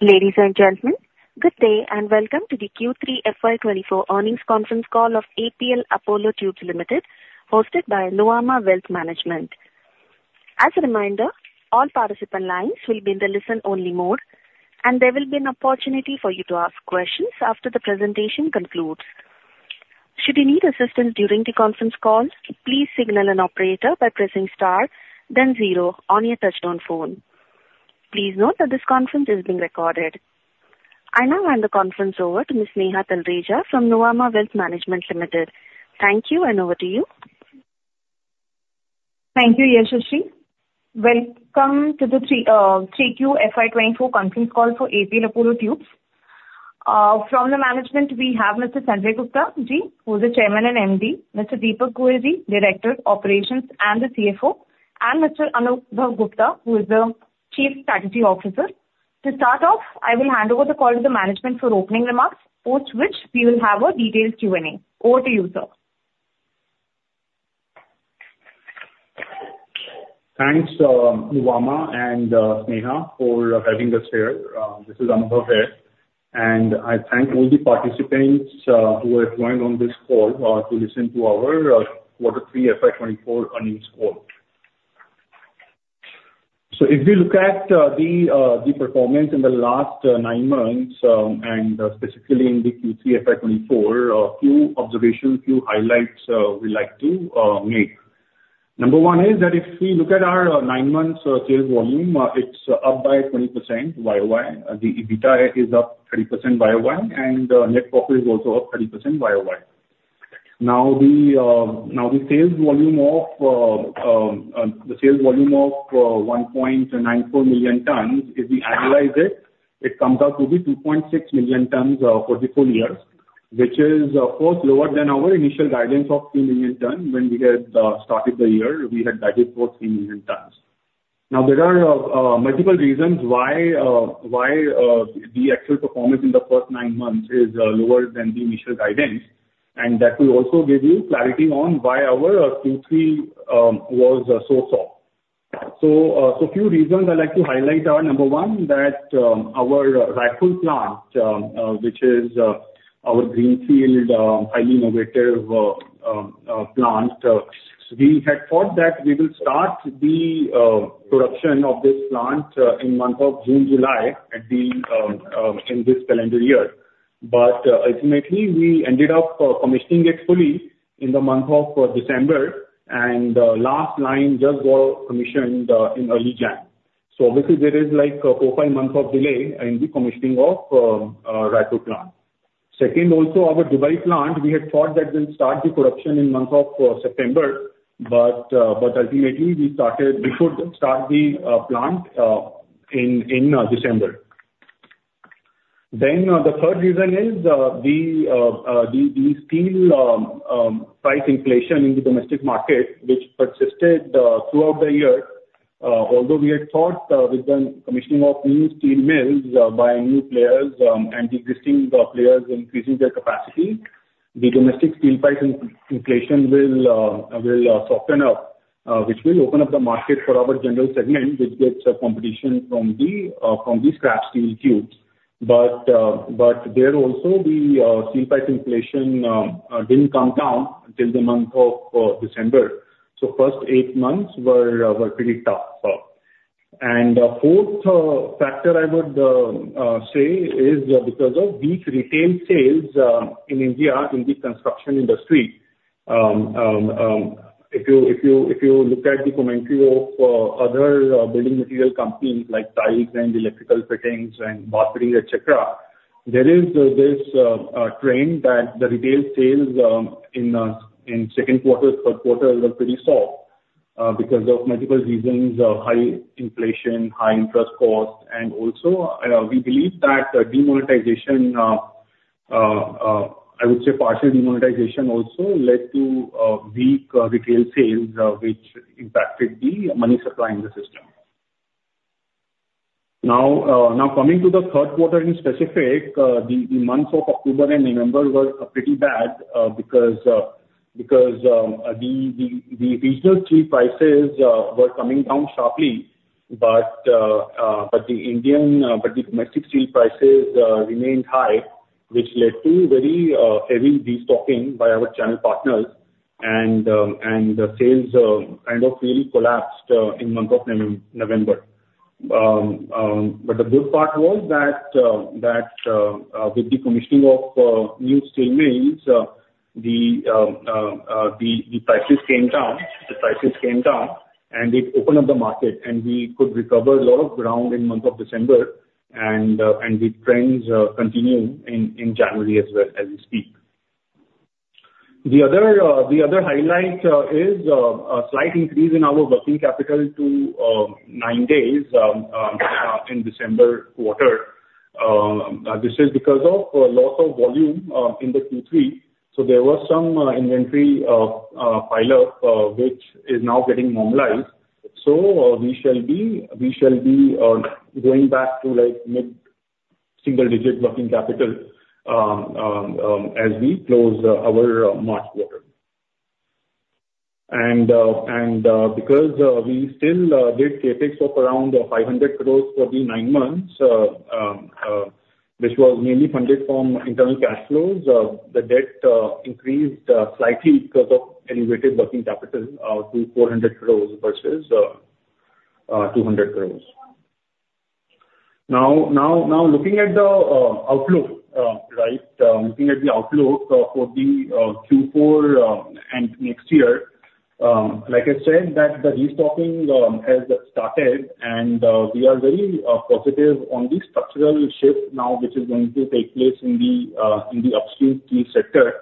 Ladies and gentlemen, good day, and welcome to the Q3 FY 2024 earnings conference call of APL Apollo Tubes Limited, hosted by Nomura Wealth Management. As a reminder, all participant lines will be in the listen-only mode, and there will be an opportunity for you to ask questions after the presentation concludes. Should you need assistance during the conference call, please signal an operator by pressing star then zero on your touchtone phone. Please note that this conference is being recorded. I now hand the conference over to Miss Neha Talreja from Nomura Wealth Management Limited. Thank you, and over to you. Thank you, Yashashi. Welcome to the 3Q FY 2024 conference call for APL Apollo Tubes. From the management, we have Mr. Sanjay Gupta-ji, who is the Chairman and MD. Mr. Deepak Goyal-ji, Director, Operations, and the CFO. And Mr. Anubhav Gupta, who is the Chief Strategy Officer. To start off, I will hand over the call to the management for opening remarks, post which we will have a detailed Q and A. Over to you, sir. Thanks, Nomura and Neha, for having us here. This is Anubhav here, and I thank all the participants who have joined on this call to listen to our quarter three FY 2024 earnings call. So if we look at the performance in the last nine months and specifically in the Q3 FY 2024, a few observations, few highlights we'd like to make. Number one is that if we look at our nine months sales volume, it's up by 20% YoY. The EBITDA is up 30% YoY, and net profit is also up 30% YoY. Now, the sales volume of 1.94 million tons, if we annualize it, it comes out to be 2.6 million tons for the full year, which is, of course, lower than our initial guidance of 3 million tons. When we had started the year, we had guided for 3 million tons. Now, there are multiple reasons why the actual performance in the first nine months is lower than the initial guidance, and that will also give you clarity on why our Q3 was so soft. So, a few reasons I'd like to highlight are: number one, that our Raipur plant, which is our greenfield, highly innovative plant. We had thought that we will start the production of this plant in month of June, July, at the in this calendar year. But ultimately, we ended up commissioning it fully in the month of December, and the last line just got commissioned in early January. So obviously, there is, like, 4-5 months of delay in the commissioning of Raipur plant. Second, also our Dubai plant, we had thought that we'll start the production in month of September, but ultimately, we started, we could start the plant in December. Then the third reason is, the steel price inflation in the domestic market which persisted throughout the year. Although we had thought, with the commissioning of new steel mills by new players and existing players increasing their capacity, the domestic steel price inflation will soften up, which will open up the market for our general segment, which gets a competition from the scrap steel tubes. But there also, the steel price inflation didn't come down until the month of December. So first eight months were pretty tough. And fourth factor I would say is because of weak retail sales in India, in the construction industry. If you look at the commentary of other building material companies like tiles and electrical fittings and batteries, et cetera, there is this trend that the retail sales in second quarter, third quarter were pretty soft because of multiple reasons: high inflation, high interest costs, and also, we believe that demonetization, I would say partial demonetization, also led to weak retail sales, which impacted the money supply in the system. Now, coming to the third quarter in specific, the months of October and November were pretty bad, because the regional steel prices were coming down sharply, but the domestic steel prices remained high, which led to very heavy destocking by our channel partners and the sales kind of really collapsed in the month of November. But the good part was that with the commissioning of new steel mills, the prices came down, the prices came down, and it opened up the market, and we could recover a lot of ground in the month of December. And the trends continue in January as well as we speak. The other highlight is a slight increase in our working capital to nine days in December quarter. This is because of a lot of volume in the Q3, so there was some inventory pile up, which is now getting normalized. So, we shall be going back to, like, mid-single digit working capital, as we close our March quarter, and because we still did CapEx of around 500 crore for the nine months, which was mainly funded from internal cash flows, the debt increased slightly because of elevated working capital to 400 crore versus 200 crore. Now looking at the outlook, right? Looking at the outlook for the Q4 and next year, like I said, that the restocking has started and we are very positive on the structural shift now, which is going to take place in the upstream steel sector,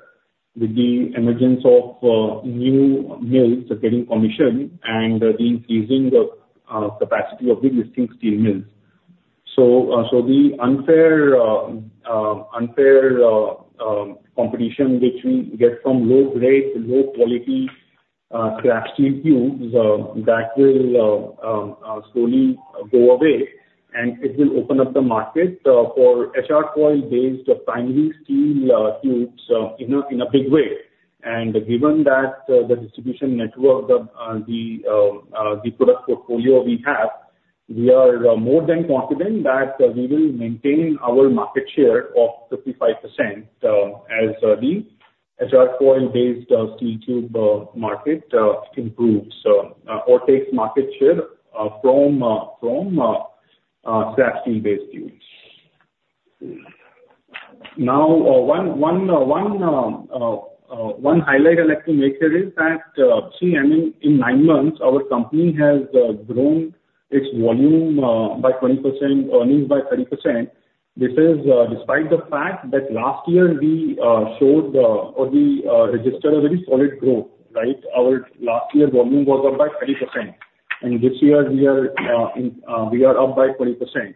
with the emergence of new mills getting commissioned and the increasing of capacity of the existing steel mills. So, the unfair competition, which we get from low grade, low quality scrap steel tubes, that will slowly go away, and it will open up the market for HR coil-based primary steel tubes in a big way. Given that, the distribution network, the product portfolio we have, we are more than confident that we will maintain our market share of 55%, as the HR coil-based steel tube market improves or takes market share from scrap Steel-based Tubes. Now, one highlight I'd like to make here is that, see, I mean, in nine months, our company has grown its volume by 20%, earnings by 30%. This is despite the fact that last year we showed or we registered a very solid growth, right? Our last year volume was up by 30%, and this year we are up by 20%.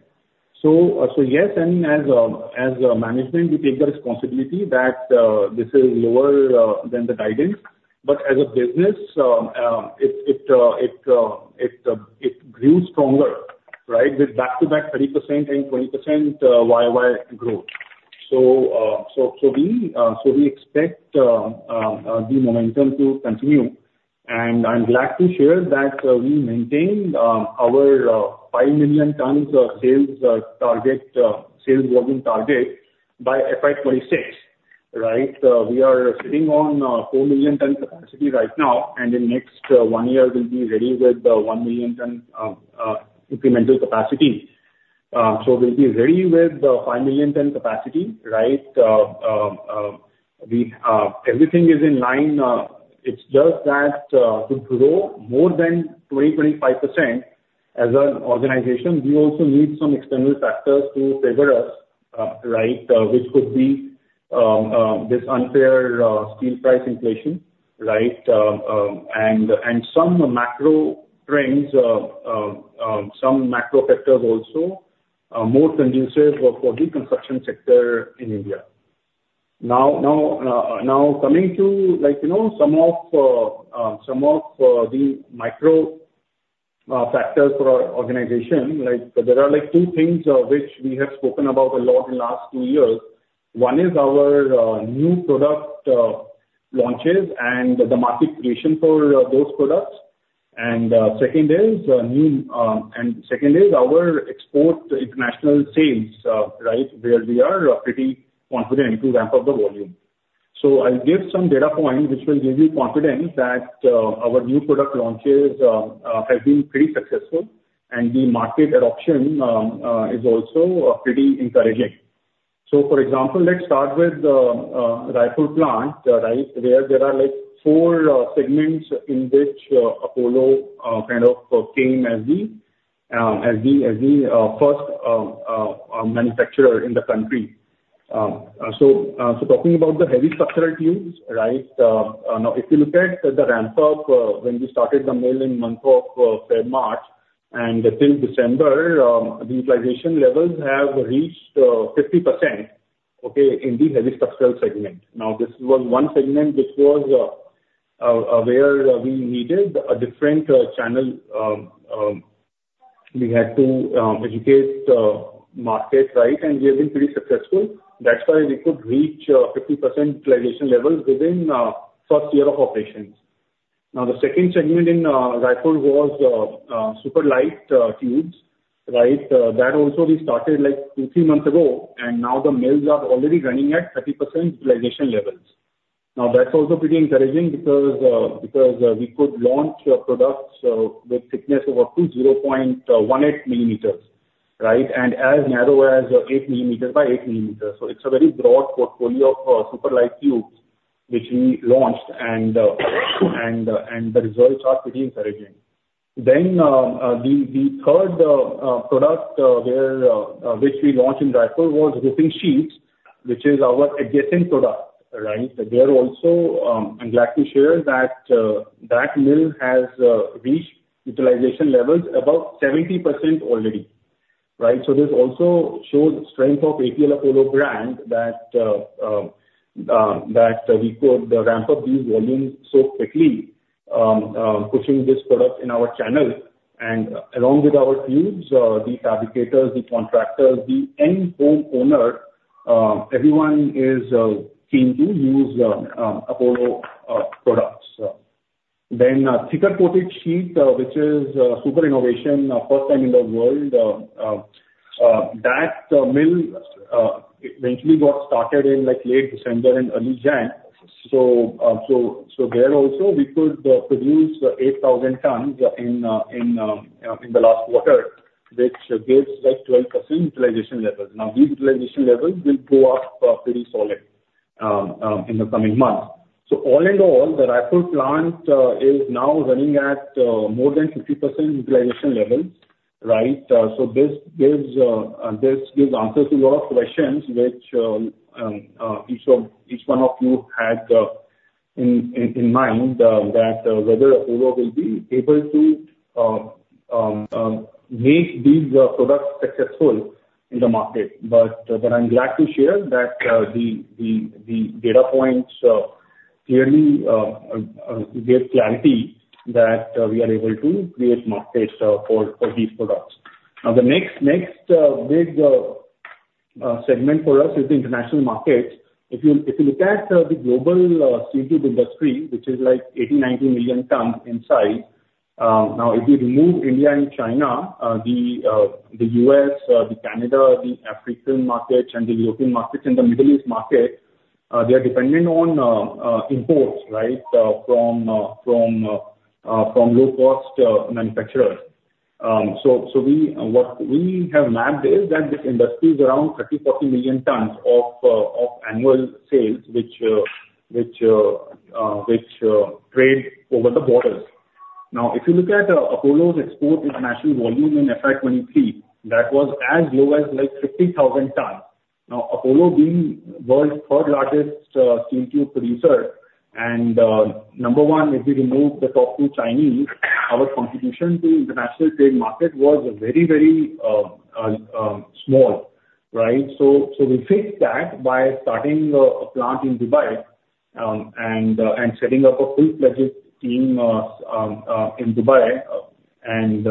So, yes, and as a management, we take the responsibility that this is lower than the guidance. But as a business, it grew stronger, right? With back-to-back 30% and 20% YoY growth. So we expect the momentum to continue. And I'm glad to share that we maintained our 5 million tons of sales target sales volume target by FY 2026, right? We are sitting on 4 million ton capacity right now, and in next one year we'll be ready with 1 million ton incremental capacity. So we'll be ready with the 5 million ton capacity, right? Everything is in line. It's just that to grow more than 20-25% as an organization, we also need some external factors to favor us, right? Which could be this unfair steel price inflation, right? And some macro trends, some macro factors also more conducive for the construction sector in India. Now coming to, like, you know, some of the micro factors for our organization, like, there are like two things which we have spoken about a lot in last two years. One is our new product launches and the market creation for those products. And second is our export international sales, right? Where we are pretty confident to ramp up the volume. So I'll give some data points which will give you confidence that, our new product launches, have been pretty successful, and the market adoption, is also, pretty encouraging. So for example, let's start with, Raipur plant, right? Where there are, like, four segments in which, Apollo, kind of, came as the, as the, as the, first manufacturer in the country. So talking about the heavy structural tubes, right? Now, if you look at the ramp up, when we started the mill in month of March and till December, the utilization levels have reached 50%, okay, in the heavy structural segment. Now, this was one segment which was where we needed a different channel. We had to educate market, right? And we have been pretty successful. That's why we could reach 50% utilization levels within first year of operations. Now, the second segment in Raipur was Super Light Tubes, right? That also we started like two, three months ago, and now the mills are already running at 30% utilization levels. Now, that's also pretty encouraging because we could launch products with thickness of up to 0.18 millimeters, right? And as narrow as 8 millimeters by 8 millimeters. So it's a very broad portfolio of Super Light Tubes, which we launched and the results are pretty encouraging. Then, the third product, which we launched in Raipur was roofing sheets, which is our adjacent product, right? There also, I'm glad to share that that mill has reached utilization levels about 70% already, right? So this also shows strength of APL Apollo brand that that we could ramp up these volumes so quickly, pushing this product in our channel. And along with our tubes, the fabricators, the contractors, the end home owner, everyone is keen to use Apollo products. Then, thicker coated sheet, which is super innovation, first time in the world, that mill eventually got started in, like, late December and early January. So there also we could produce 8,000 tons in the last quarter, which gives, like, 12% utilization levels. Now, these utilization levels will go up very solid in the coming months. So all in all, the Raipur plant is now running at more than 50% utilization levels, right? So this gives answers to your questions, which each one of you had in mind that whether Apollo will be able to make these products successful in the market. But I'm glad to share that the data points clearly give clarity that we are able to create markets for these products. Now, the next big segment for us is the international markets. If you look at the global steel tube industry, which is like 80-90 million tons in size, now, if you remove India and China, the U.S., Canada, the African markets and the European markets and the Middle East markets, they are dependent on imports, right, from low cost manufacturers. So, what we have mapped is that the industry is around 30-40 million tons of annual sales, which trade over the borders. Now, if you look at Apollo's export international volume in FY 2023, that was as low as, like, 50,000 tons. Now, Apollo being world's third largest steel tube producer and number one, if we remove the top 2 Chinese, our contribution to international trade market was very, very small, right? So we fixed that by starting a plant in Dubai and setting up a full-fledged team in Dubai. And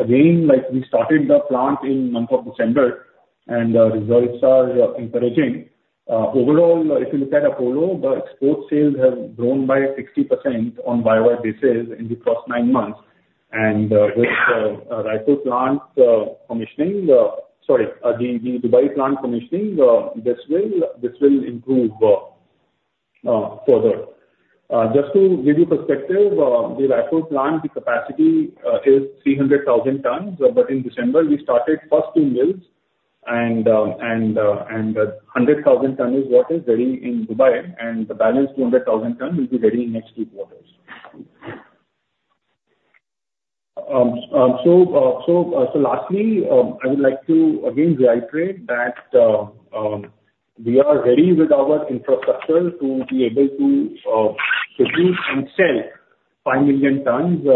again, like, we started the plant in month of December, and the results are encouraging. Overall, if you look at Apollo, the export sales have grown by 60% on YoY basis in the first nine months. And with Raipur plant commissioning, sorry, the Dubai plant commissioning, this will improve further. Just to give you perspective, the Raipur plant, the capacity, is 300,000 tons, but in December we started first two mills and 100,000 tons is what is ready in Dubai, and the balance 200,000 tons will be ready in next two quarters. So lastly, I would like to again reiterate that we are ready with our infrastructure to be able to produce and sell 5 million tons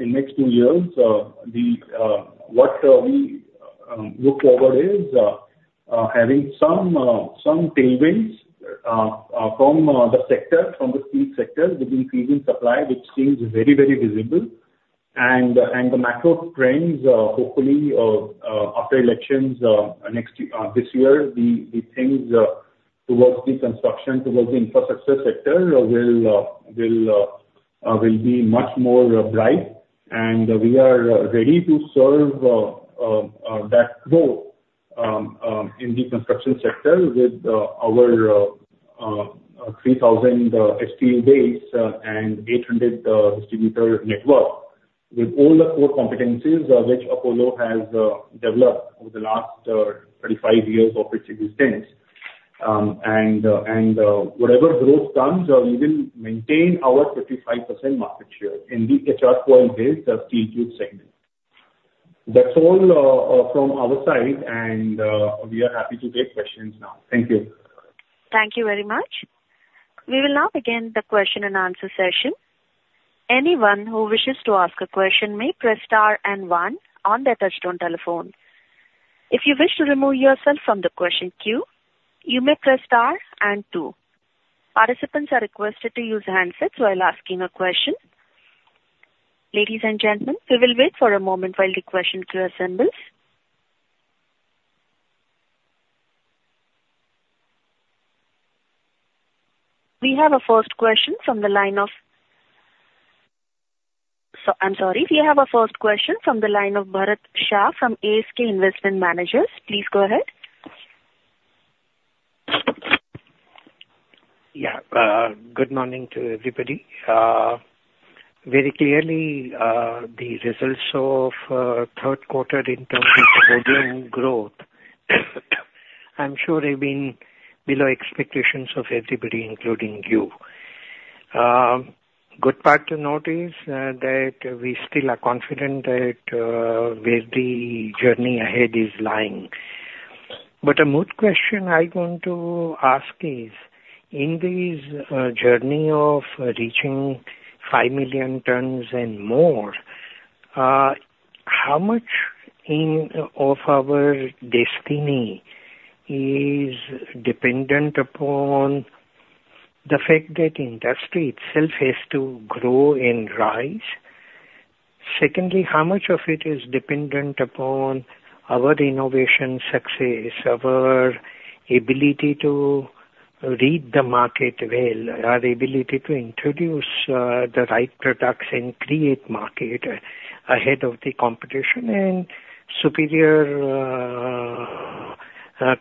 in next two years. The what we look forward is having some tailwinds from the sector, from the steel sector with increasing supply, which seems very, very visible. The macro trends, hopefully, after elections next year, this year, the things towards the construction, towards the infrastructure sector will be much more bright, and we are ready to serve that growth in the construction sector with our 3,000 steel base and 800 distributor network. With all the core competencies which Apollo has developed over the last 35 years of its existence. And whatever growth comes, we will maintain our 55% market share in the HR coil-based steel tube segment. That's all from our side, and we are happy to take questions now. Thank you. Thank you very much. We will now begin the question and answer session. Anyone who wishes to ask a question may press star and one on their touchtone telephone. If you wish to remove yourself from the question queue, you may press star and two. Participants are requested to use handsets while asking a question. Ladies and gentlemen, we will wait for a moment while the question queue assembles. We have a first question from the line of, so, I'm sorry. We have our first question from the line of Bharat Shah from ASK Investment Managers. Please go ahead. Yeah. Good morning to everybody. Very clearly, the results of third quarter in terms of volume growth, I'm sure have been below expectations of everybody, including you. Good part to note is that we still are confident that where the journey ahead is lying. But the main question I want to ask is: In this journey of reaching 5 million tons and more, how much of our destiny is dependent upon the fact that the industry itself has to grow and rise? econdly, how much of it is dependent upon our innovation success, our ability to read the market well, our ability to introduce, the right products and create market ahead of the competition and superior,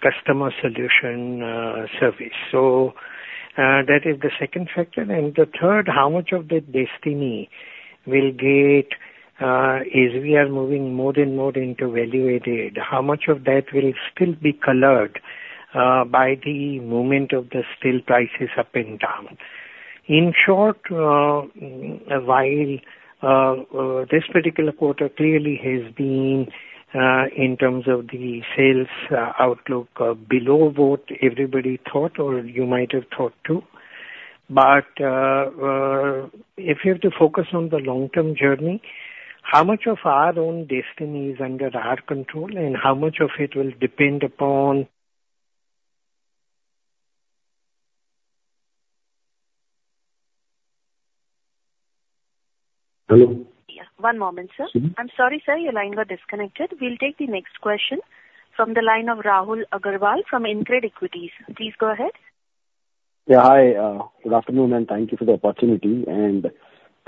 customer solution, service? So, that is the second factor. And the third, how much of the destiny will get, as we are moving more and more into value added, how much of that will still be colored, by the movement of the steel prices up and down? In short, while this particular quarter clearly has been, in terms of the sales outlook, below what everybody thought or you might have thought too, but if you have to focus on the long-term journey, how much of our own destiny is under our control, and how much of it will depend upon—Hello? Yeah, one moment, sir. Mm-hmm. I'm sorry, sir, your line got disconnected. We'll take the next question from the line of Rahul Agarwal from InCred Equities. Please go ahead. Yeah, hi, good afternoon, and thank you for the opportunity, and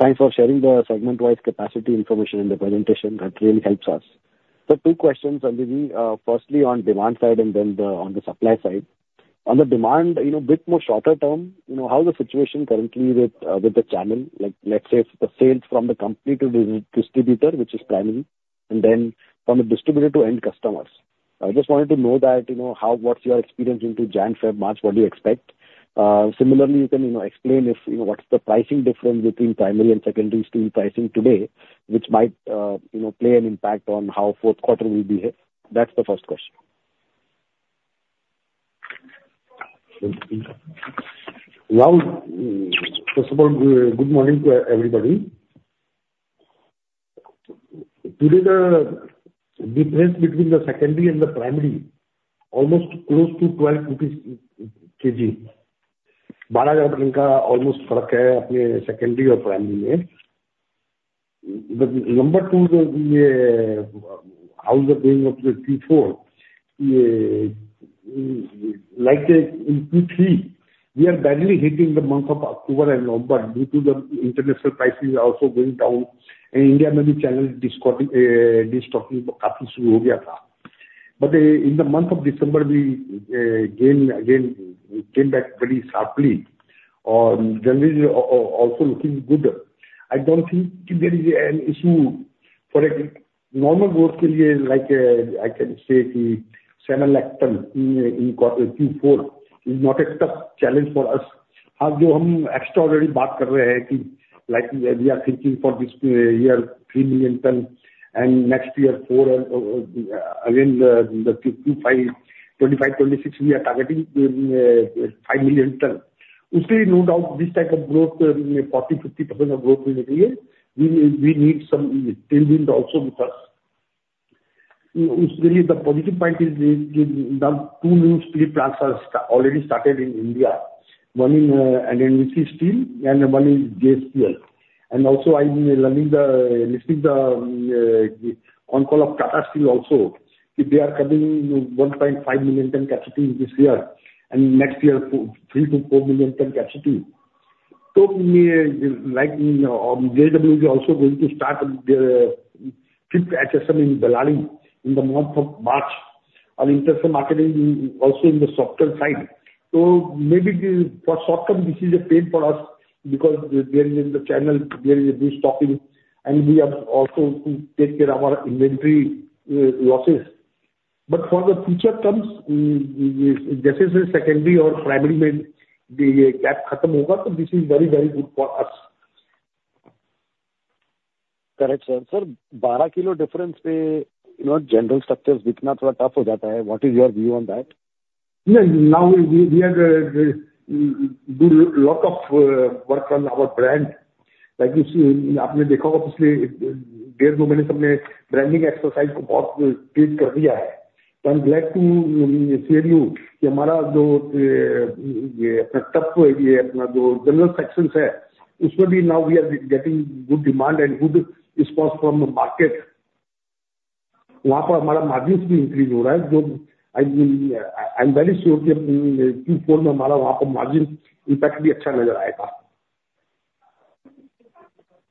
thanks for sharing the segment-wise capacity information in the presentation. That really helps us. So two questions, Sanjay, firstly on demand side and then the, on the supply side. On the demand, you know, bit more shorter term, you know, how's the situation currently with, with the channel? Like, let's say, the sales from the company to the distributor, which is primary, and then from the distributor to end customers. I just wanted to know that, you know, how, what's your experience into Jan, Feb, March? What do you expect? Similarly, you can, you know, explain if, you know, what's the pricing difference between primary and secondary steel pricing today, which might, you know, play an impact on how fourth quarter will behave. That's the first question. Rahul, first of all, good morning to everybody. Today, the difference between the secondary and the primary, almost close to INR 12/kg. Almost Secondary or primary. The number two, the how is it going up to the Q4? Like in Q3, we are barely hitting the month of October and November due to the international prices are also going down. In India, many channels destocking. But in the month of December, we again, again, came back very sharply and January also looking good. I don't think there is an issue for a normal growth, like, I can say the 700,000 tons in quarter Q4 is not a tough challenge for us. Like, we are thinking for this year, 3 million tons, and next year, 4 million tons. Again, the 2025, 2025, 2026, we are targeting 5 million tons. Usually, no doubt, this type of growth, 40%-50% of growth in a year, we need some tailwind also with us. Usually, the positive point is the two new steel plants are already started in India. One in NMDC Steel and one is JSPL. Also, I'm listening to the on call of Tata Steel also, that they are coming 1.5 million ton capacity this year, and next year, 3-4 million ton capacity. So, we, like, in, JSW also going to start their, fifth HSM in Bellary in the month of March, and international marketing is also in the softer side. So maybe the, for short term, this is a pain for us because there is in the channel, there is a destocking, and we have also to take care of our inventory, losses. But for the future terms, just as a secondary or primary way, the gap, this is very, very good for us. Correct, sir. Sir, bara kilo difference, you know, general structures become a little tough. What is your view on that? Yeah, now we do a lot of work on our brand. Like you see, in branding exercise, treatment kar diya hai. So I'm glad to share you that our general sections hai. Usually now we are getting good demand and good response from the market. Wapas margins bhi increase ho rahe hai, so I'm very sure ki Q4 mein wapas margin impact bhi achcha nazar aayega.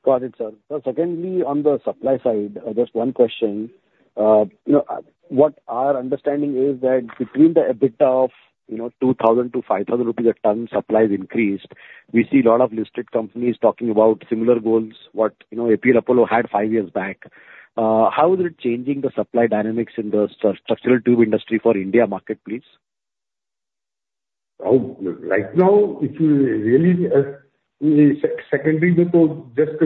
Got it, sir. Sir, secondly, on the supply side, just one question. You know, what our understanding is that between the EBITDA of, you know, 2,000-5,000 rupees a ton, supply has increased. We see a lot of listed companies talking about similar goals, what, you know, Apollo had five years back. How is it changing the supply dynamics in the structural tube industry for India market, please? Oh, right now, if you really, secondary mein toh, just,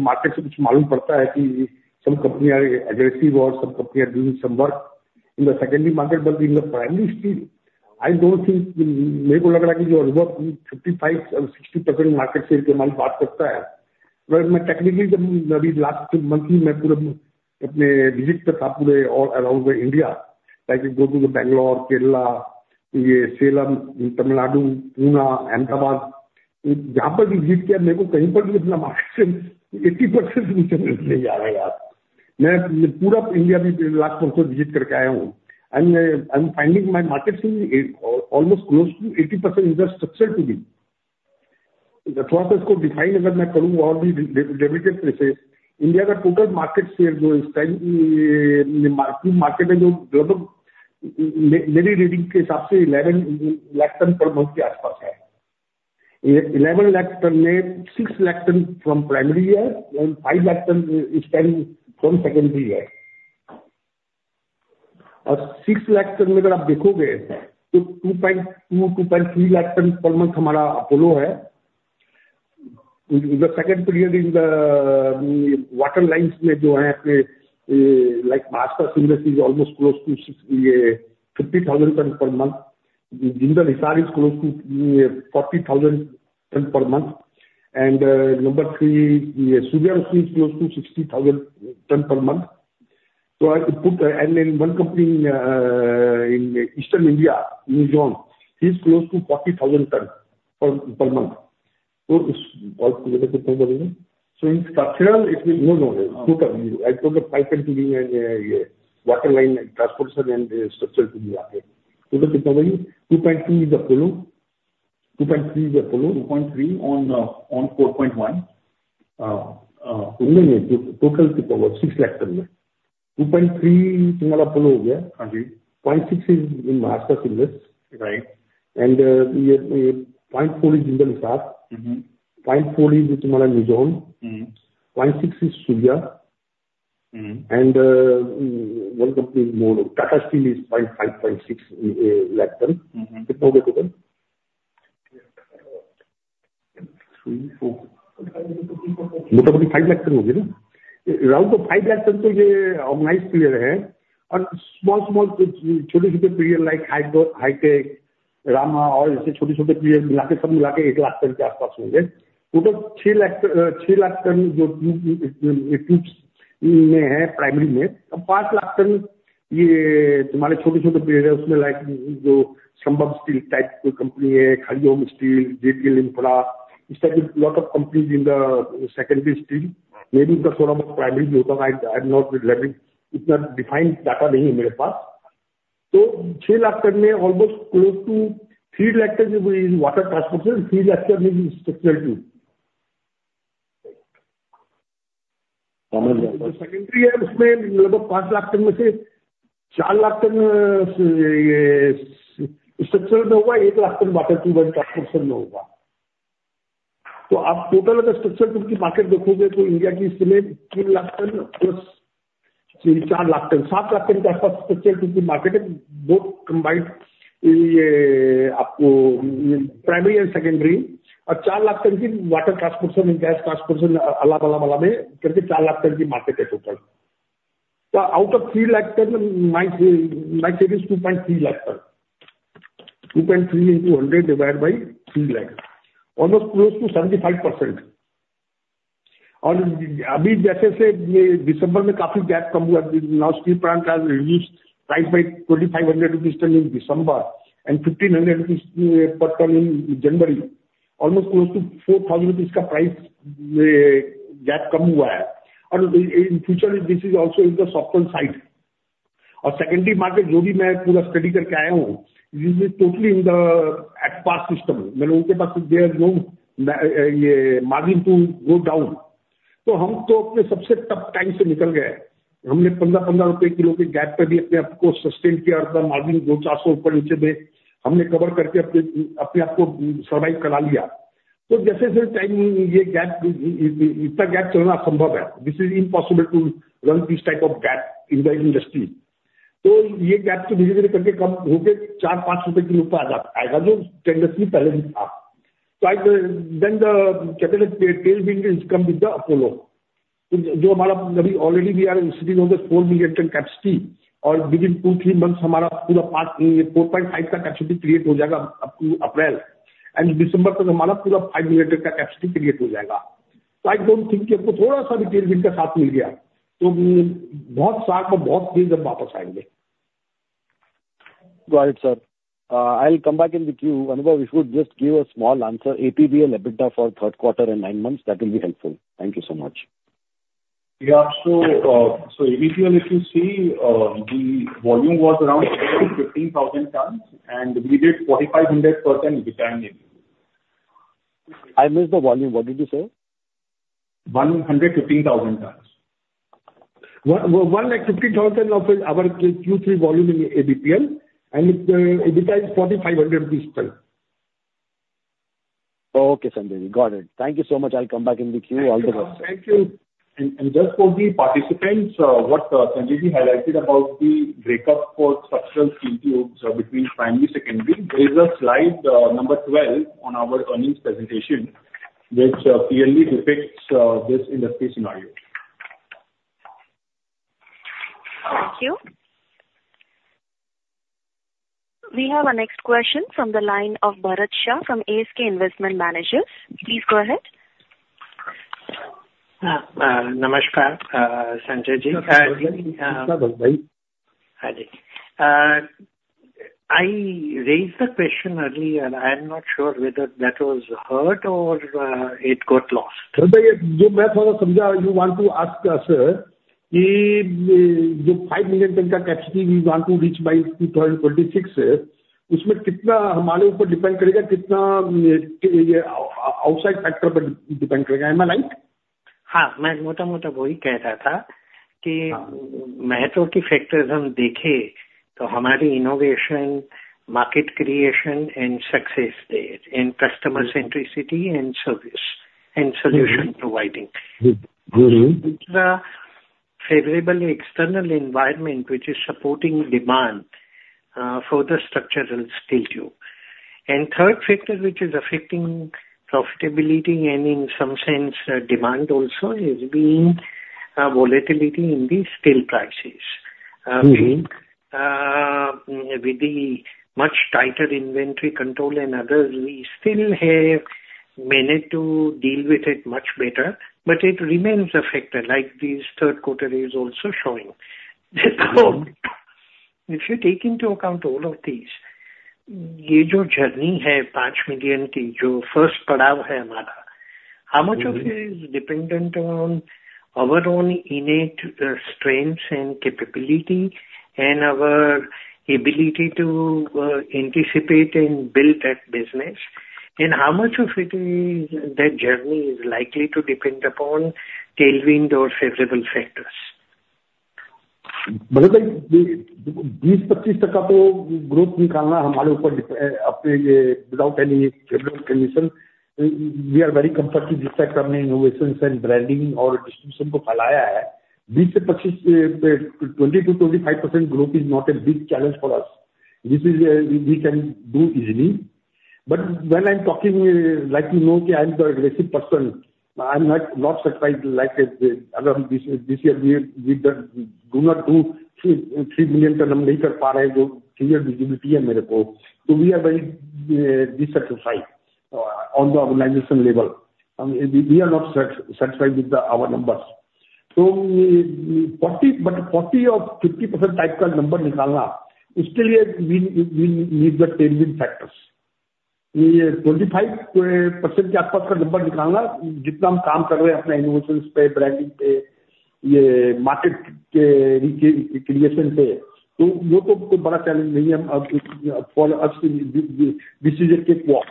market se kuch maloom padta hai ki some companies are aggressive or some companies are doing some work in the secondary market, but in the primary steel, I don't think, mereko lagta hai ki jo aaj hum 55 or 60% market share ke baare mein baat karta hai, but technically, the last month me, me pura apne visit karta pure all around the India. Like I go to the Bangalore, Kerala-... Ye Salem, Tamil Nadu, Pune, Ahmedabad jahan par bhi visit kiya, mere ko kahin par bhi itna margin 80% se nahi aaya yaar. Main poora India mein laakhon mein visit karke aaya hoon and I am finding my market se almost close to 80% structural to be. Thoda sa isko define agar main karun aur bhi details se, India ka total market jo is time market hai, jo lagbhag meri reading ke hisab se 11 lakh tons per month ke aaspaas hai. Ye 11 lakh tons mein 6 lakh tons from primary hai and 5 lakh tons this time from secondary hai. Aur 6 lakh tons mein agar aap dekhoge to 2.2, 2.3 lakh tons per month hamara Apollo hai. The second player in the tubes lines mein jo hai, se like Maharashtra Seamless is almost close to 50,000 tons per month, Jindal Hisar is close to 40,000 tons per month and number three Surya Roshni close to 60,000 tons per month. To I put and one company in eastern India new zone, he is close to 40,000 tons per month. To in structural no, no, no. I took the pipe and tubes and water line transportation and structural tubes are. To kitna hogi? 2.3 is Apollo. 2.3 is Apollo. 2.3 on 4.1. Total kitna hoga 600,000 tons mein. 2.3 tumhara Apollo ho gaya. Haan ji. 0.6 is Maharashtra Seamless right! And 0.4 is Jindal Hisar, 0.4 is tumhara NMDC, 0.6 is Surya and one company more Tata Steel is 0.5, 60,000 tons. Kitna ho gaya total? Mota moti 500,000 tons ho gaya na. Around to 500,000 tons to ye organized player hain aur chhote chhote player like Hi-Tech, Rama aur aise chhote chhote player milkar sab milkar 100,000 tons ke aaspaas honge. To 600,000, 600,000 tons jo tubes mein hai, primary mein aur 500,000 tons ye tumhare chhote chhote player hain. Usmein like jo Sambhav Steel type koi company hai, Hariom Steel, JTL Infra, it's a lot of companies in the secondary steel, may be uska thoda bahut primary bhi hota hoga. I am not itna define data nahi hai mere paas. To 600,000 tons mein almost close to 300,000 tons jo water transportation, 300,000 tons is structural tube. Secondary hai, usmein lagbhag 500,000 tons mein se 400,000 tons ye structure mein hoga. 100,000 tons water aur transportation mein hoga. To aap total agar structure tube ki market dekhoge to India ki 300,000 tons plus 400,000 tons, 700,000 tons ke aaspaas structure tube ki market is both combined. Ye aapko primary and secondary aur 400,000 tons ki water transportation, gas transportation alala alala mein karke 400,000 tons ki market hai total. To out of 300,000 tons, my my 230,000 tons, 2.3 into 100 divide by 300,000, almost close to 75% aur abhi jaise se ye December mein kaafi gap kam hua. Now steel plant have reduce price by 2,500 rupees/ton in December and 1,500 rupees/ton in January almost close to 4,000 rupees ka price gap kam hua hai aur in future this is also in the soften side aur secondary market jo bhi main poora study karke aaya hoon, this is totally in the at par system. Main logon ke paas their no margin to go down. To hum to apne sabse tough time se nikal gaye hain. Humne 15-15 INR/kg ke gap par bhi apne aap ko sustain kiya aur ka margin 200-400 upar neeche mein humne cover karke apne apne aap ko survive kara liya. To jaise jaise time ye gap, itna gap chalna asambhav hai. This is impossible to run this type of gap in the industry. To ye gap dheere dheere karke kam hokar 4-5 INR/kg par aa jayega, jo trend pehle hi tha. So I then the tail wind come with the Apollo, jo hamara abhi already we are sitting on the 4 million capacity aur within 2-3 months hamara poora part 4.5 ka capacity create ho jayega, April end December tak hamara poora 5 million ka capacity create ho jayega. To I don't think ki humko thoda sa bhi tail wind ka saath mil gaya to bahut sa aur bahut tez hum wapas aaenge. Right sir, I will come back in the que. Anubhav, if you just give a small answer ASP and EBITDA for third quarter and nine months, that will be helpful. Thank you so much! So, so if you will, if you see the volume was around 15,000 tons and we did 4,500%. I missed the volume. What did you say? 150,000 tons. 150,000 of our Q3 volume in APL and EBITDA is INR 4,500 per ton. Okay, Sanjay ji, got it! Thank you so much. I will come back in the que. All the best. Thank you. And just for the participants, what Sanjay ji highlighted about the breakup for structure tubes between primary secondary. There is a slide number 12 on our earnings presentation, which clearly depicts this industry scenario. Thank you. We have a next question from the line of Bharat Shah from ASK Investment Managers. Please go ahead! Yes, namaskar, Sanjay ji. I raised the question early and I am not sure whether that was heard or it got lost. Bhaiya, jo main thoda samjha, you want to ask us ki jo 5 million ton ka capacity we want to reach by 2026, usmein kitna hamare upar depend karega, kitna outside factor par depend karega. Am I right? Haan, main mota mota wahi keh raha tha ki mahatva ki factors hum dekhen to hamari innovation, market creation and success, the customer centricity and service and solution providing. Hmm. Favorable external environment, which is supporting demand for the structural steel tubes and third factor, which is affecting profitability and in some sense demand also is being volatility in the steel price. Hmm, with the much tighter inventory control and other we still have managed to deal with it much better, but it remains factor like this third quarter is also showing. If you take into account all of this, ye jo journey hai, 5 million ki jo first padav hai hamara, how much of it is dependent on our own internal strength and capability and our ability to anticipate and build that business and how much of it is that journey is likely to depend upon tailwind aur favorable factors. Bhaiya, 20-25 tak ka to growth nikalna hamare upar apne without any condition we are very comfortable, innovations and branding aur distribution ko phailaya hai. 20 se 25, 20-25% growth is not a big challenge for us. This is we can do easily. But when I am talking, like you know, I am the aggressive person. I am not satisfied. Like this year, we do not do 3 million tons hum nahi kar pa rahe jo clear visibility hai mere ko. So we are very dissatisfied on the organization level, we are not satisfied with our numbers. So 40, but 40-50% type ka number nikalna, still we need the tailwind factors. Ye 25% ke aaspaas ka number nikalna, jitna hum kaam kar rahe hain apne innovations pe, branding pe, ye market ke creation pe, to ye to koi bada challenge nahi hai, for us this is a cake walk.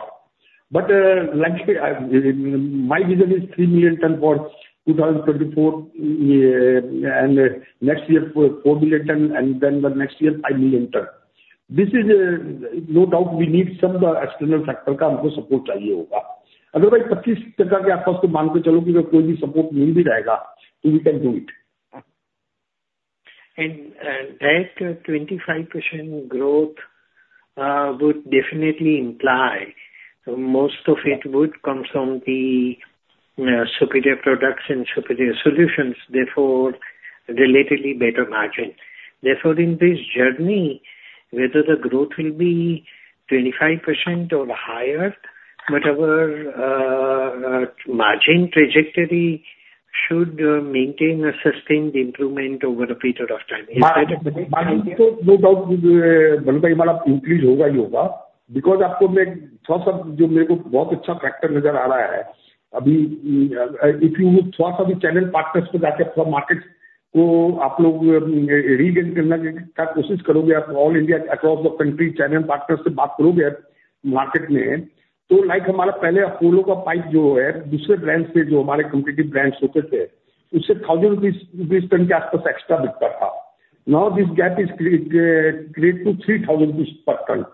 But like my vision is 3 million tons for 2024 and next year 4 million and then the next year 5 million tons. This is no doubt we need some external factor ka humko support chahiye hoga. Agar bhai 25% ke aaspaas to maan ke chalo ki agar koi bhi support mil bhi jayega, we can do it. And that 25% growth would definitely imply most of it would come from the superior products and superior solutions, therefore relatively better margin. Therefore, in this journey, whether the growth will be 25% or higher, but our margin trajectory should maintain a sustained improvement over a period of time. Margin to no doubt bhaiya hamara increase hoga hi hoga, because aapko main thoda sa jo mere ko bahut accha factor nazar aa raha hai, abhi if you thoda sa bhi channel partners ko jakar apna market ko aap log regain karne ka koshish karoge, aap all India across the country channel partners se baat karoge market mein, to like hamara pehle Apollo ka pipe jo hai, dusre brand se jo hamare competitive brands hote the, usse 1,000 INR per ton ke aaspaas extra bikta tha. Now this gap is create 2-3 thousand rupees per ton.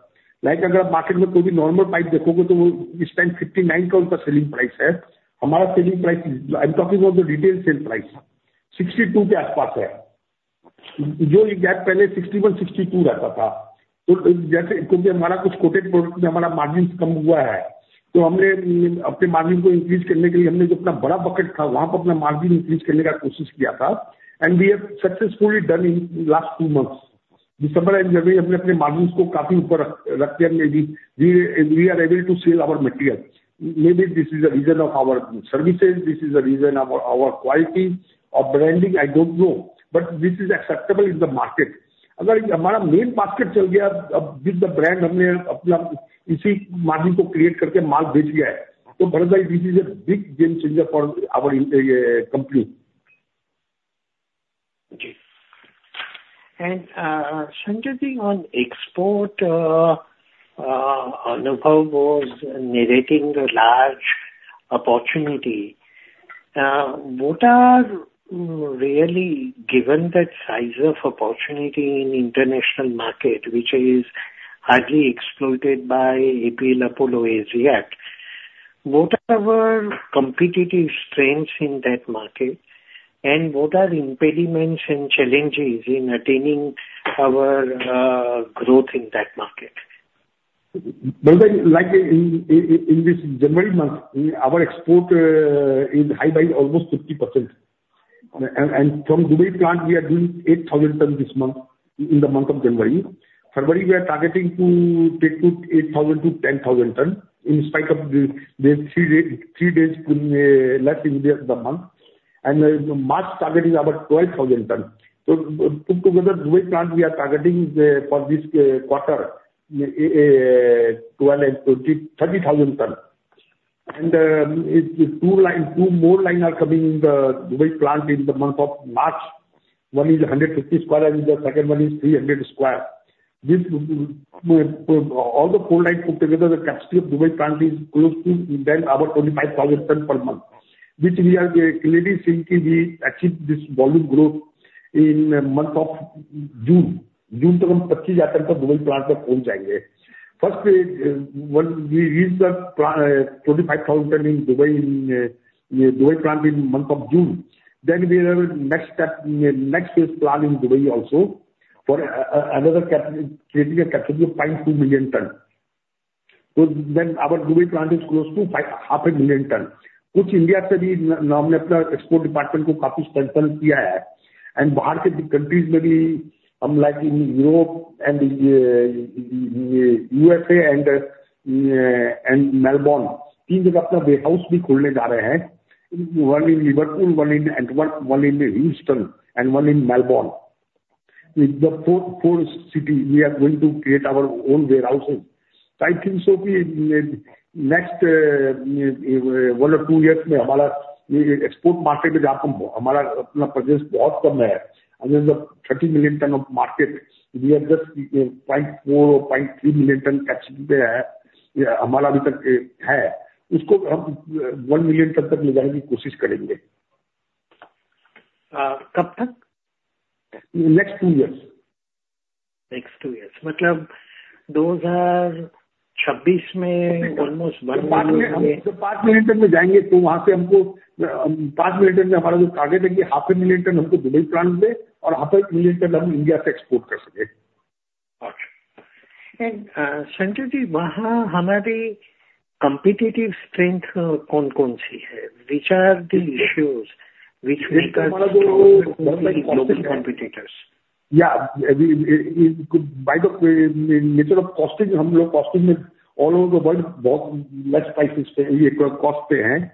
Like agar aap market mein koi normal pipe dekhoge to wo this time 59 ka unka selling price hai. Hamara selling price, I am talking about the retail sell price, 62 ke aaspaas hai. Jo ye gap pehle 61, 62 rehta tha. To jaise kyunki hamara kuch coated product mein hamara margin kam hua hai, to hamne apne margin ko increase karne ke liye hamne jo apna bada bucket tha, wahan par apna margin increase karne ka koshish kiya tha and we have successfully done in last 2 months. Ham ne apne margins ko kaafi upar rakh, rakhe hain and we are able to sell our material. Maybe this is the reason of our services, this is the reason of our quality of branding, I don't know, but this is acceptable in the market. Agar hamara main market chal gaya, with the brand hamne apna isi margin ko create karke maal bech diya hai to Bharat bhai, this is a big game changer for our company. Yes, and Sanjay ji on export, Anubhav was narrating the large opportunity. What are really given the size of opportunity in international market, which is hardly exploited by APL Apollo as yet, what are our competitive strengths in that market and what are impediments and challenge in attaining our growth in that market? Like in this January month our export is high by almost 50%. And from Dubai plant, we are doing 8,000 tons this month, in the month of January. February, we are targeting to take to 8,000-10,000 tons, in spite of the three days less in the month. And March target is about 12,000 tons. So put together, Dubai plant we are targeting for this quarter 28-30,000 tons. And two more lines are coming in the Dubai plant in the month of March. One is 150 square, and the second one is 300 square. This will all the four line put together, the capacity of Dubai plant is close to then about 25,000 tons per month, which we are clearly seeing can be achieved this volume growth in month of June. June तक हम पच्चीस हजार ton का Dubai plant पर पहुंच जाएंगे। First stage, when we reach the 25,000 in Dubai, in Dubai plant in month of June, then we have next step, next phase plan in Dubai also, for another capacity, creating a capacity of 0.2 million tons. So then our Dubai plant is close to half a million tons. Kuch India se bhi humne apna export department ko kaafi strong kiya hai, and bahar ke bhi countries mein bhi hum like in Europe and USA and Melbourne, three places apna warehouse bhi kholne ja rahe hain. One in Liverpool, one in Houston and one in Melbourne. With the four cities, we are going to create our own warehousing. I think so ki next one or two years mein hamara ye export market mein jab hum, hamara apna presence bahut kam hai, I mean the 30 million ton of market, we are just 0.4 or 0.3 million ton capacity hai, ya hamara abhi tak hai, usko hum 1 million ton tak le jane ki koshish karenge. कब तक? In next 2 years. Next 2 years. Matlab 2026 mein almost 1 million- 5 mein, jab 5 million mein jayenge, to wahan se humko, 5 million mein hamara jo target hai ki 0.5 million tons humko Dubai plant se aur 0.5 million tons hum India se export kar sakenge. अच्छा! And, Sanjay जी, वहां हमारी competitive strength कौन-कौन सी है? Which are the issues which makes us strong global competitors? Yeah, by the nature of costing, हम लोग costing में all over the world बहुत less prices पे, cost पे हैं।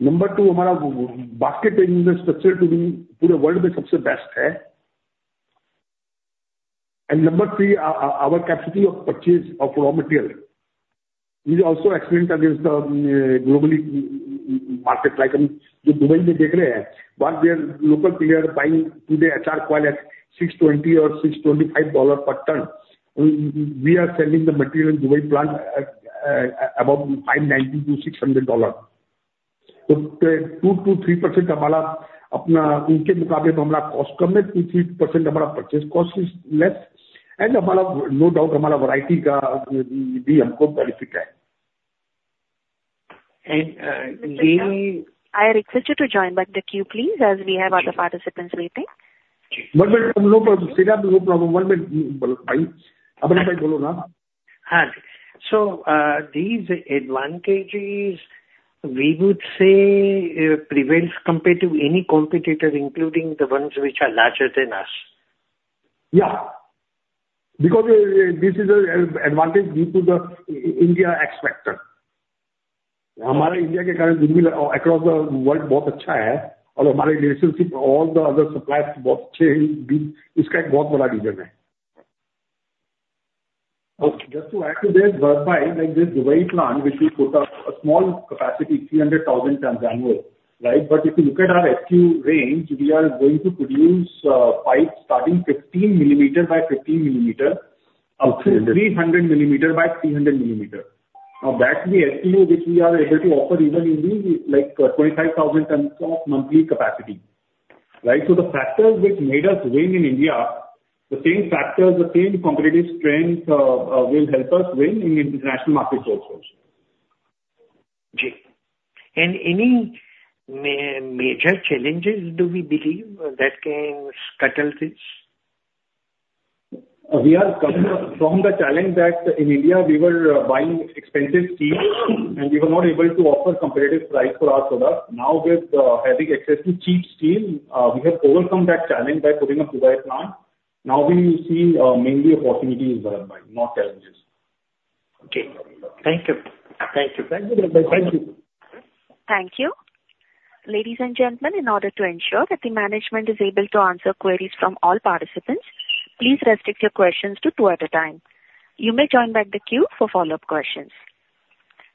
Number two, हमारा marketing structure तो पूरे world में सबसे best है। And number three, our capacity of purchase of raw material is also excellent against the globally market. Like, I mean, जो दुबई में देख रहे हैं, what their local player buying today, HR coil at $620 or $625 per ton. We are selling the material Dubai plant about $590-$600. तो 2%-3% हमारा अपना उनके मुकाबले हमारा cost कम है। 2-3% हमारा purchase cost is less, and हमारा no doubt हमारा variety का भी benefit है। And, yeah- I request you to join back the queue, please, as we have other participants waiting. One minute, no problem. Sir, no problem, one minute, बोलो भाई। अमर भाई बोलो ना। Yes, so, these advantages we would say, prevails compared to any competitor, including the ones which are larger than us? Yeah. Because this is an advantage due to the India X factor. हमारा India के कारण Dubai across the world बहुत अच्छा है, और हमारे relationship all the other suppliers बहुत अच्छे हैं, भी इसका एक बहुत बड़ा reason है। Okay, just to add to this, whereby, like this Dubai plant, which we put up a small capacity, 300,000 tons annual, right? But if you look at our SKU range, we are going to produce, pipes starting 15 mm by 15 mm, up to 300 mm by 300 mm. Now, that's the SKU which we are able to offer even in the like 25,000 tons of monthly capacity, right? So the factors which made us win in India, the same factors, the same competitive strengths, will help us win in international markets also. Any major challenges do we believe that can scuttle this? We are coming from the challenge that in India we were buying expensive steel, and we were not able to offer competitive price for our product. Now, with having access to cheap steel, we have overcome that challenge by putting a Dubai plant. Now we see mainly opportunities whereby, not challenges. Okay. Thank you. Thank you. Thank you. Thank you. Thank you. Ladies and gentlemen, in order to ensure that the management is able to answer queries from all participants, please restrict your questions to two at a time. You may join back the queue for follow-up questions.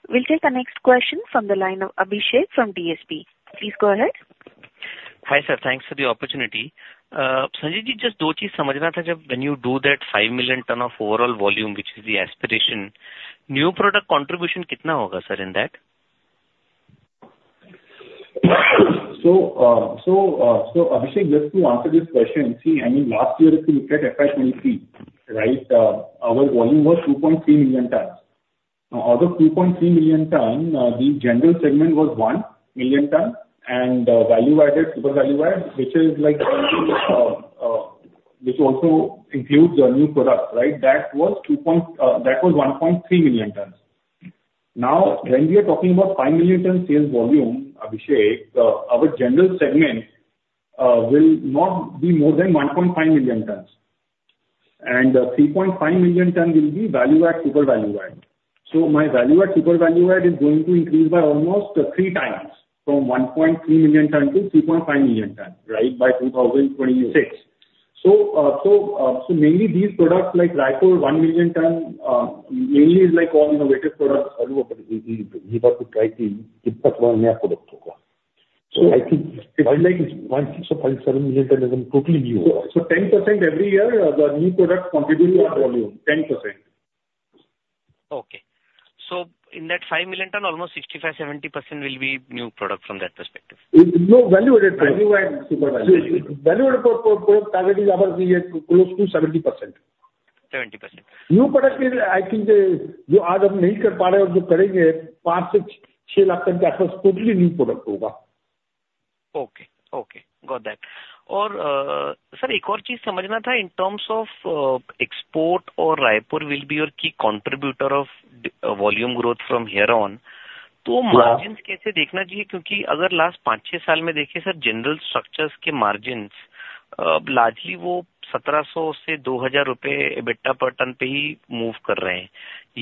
We'll take the next question from the line of Abhishek from DSP. Please go ahead. Hi, sir. Thanks for the opportunity. Sanjay ji, just दो चीज समझना था, जब when you do that 5 million ton of overall volume, which is the aspiration, new product contribution कितना होगा, sir, in that? So, Abhishek, just to answer this question, see, I mean, last year, if you look at FY 2023, right, our volume was 2.3 million tons. Out of 2.3 million ton, the general segment was 1 million ton, and value added, super value add, which is like, Which also includes the new products right, that was 2 point, that was 1.3 million tons. Now when we are talking about 5 million tons sales volume Abhishek, our general segment will not be more than 1.5 million tons and 3.5 million tons will be value add super value add. So my value add super value add is going to increase by almost three times from 1.3 million tons to 3.5 million tons right by 2026. So, so, so mainly the product like Raipur 1 million tons, mainly is like all innovative product value, ye baat to right hai ki kitna naya product hoga. So I think it is like 7 million tons totally new hoga. So 10% every year the new product contributing volume 10%. Okay, so in that 5 million ton almost 65-70% will be new product from that perspective. Value-added value-added super value-added value-added product target is ours close to 70%. Seventy percent. New product mein I think jo aaj hum nahi kar pa rahe hain aur jo karenge, 5-6 lakh tons ke aaspaas totally new product hoga. Okay, okay, got that aur sir ek aur cheez samajhna tha. In terms of export aur Raipur will be your key contributor of volume growth from here on. To margins kaise dekhna chahiye? Kyunki agar last 5-6 saal mein dekhen sir, general structures ke margins, largely woh INR 1,700-INR 2,000 EBITDA per ton per hi move kar rahe hain.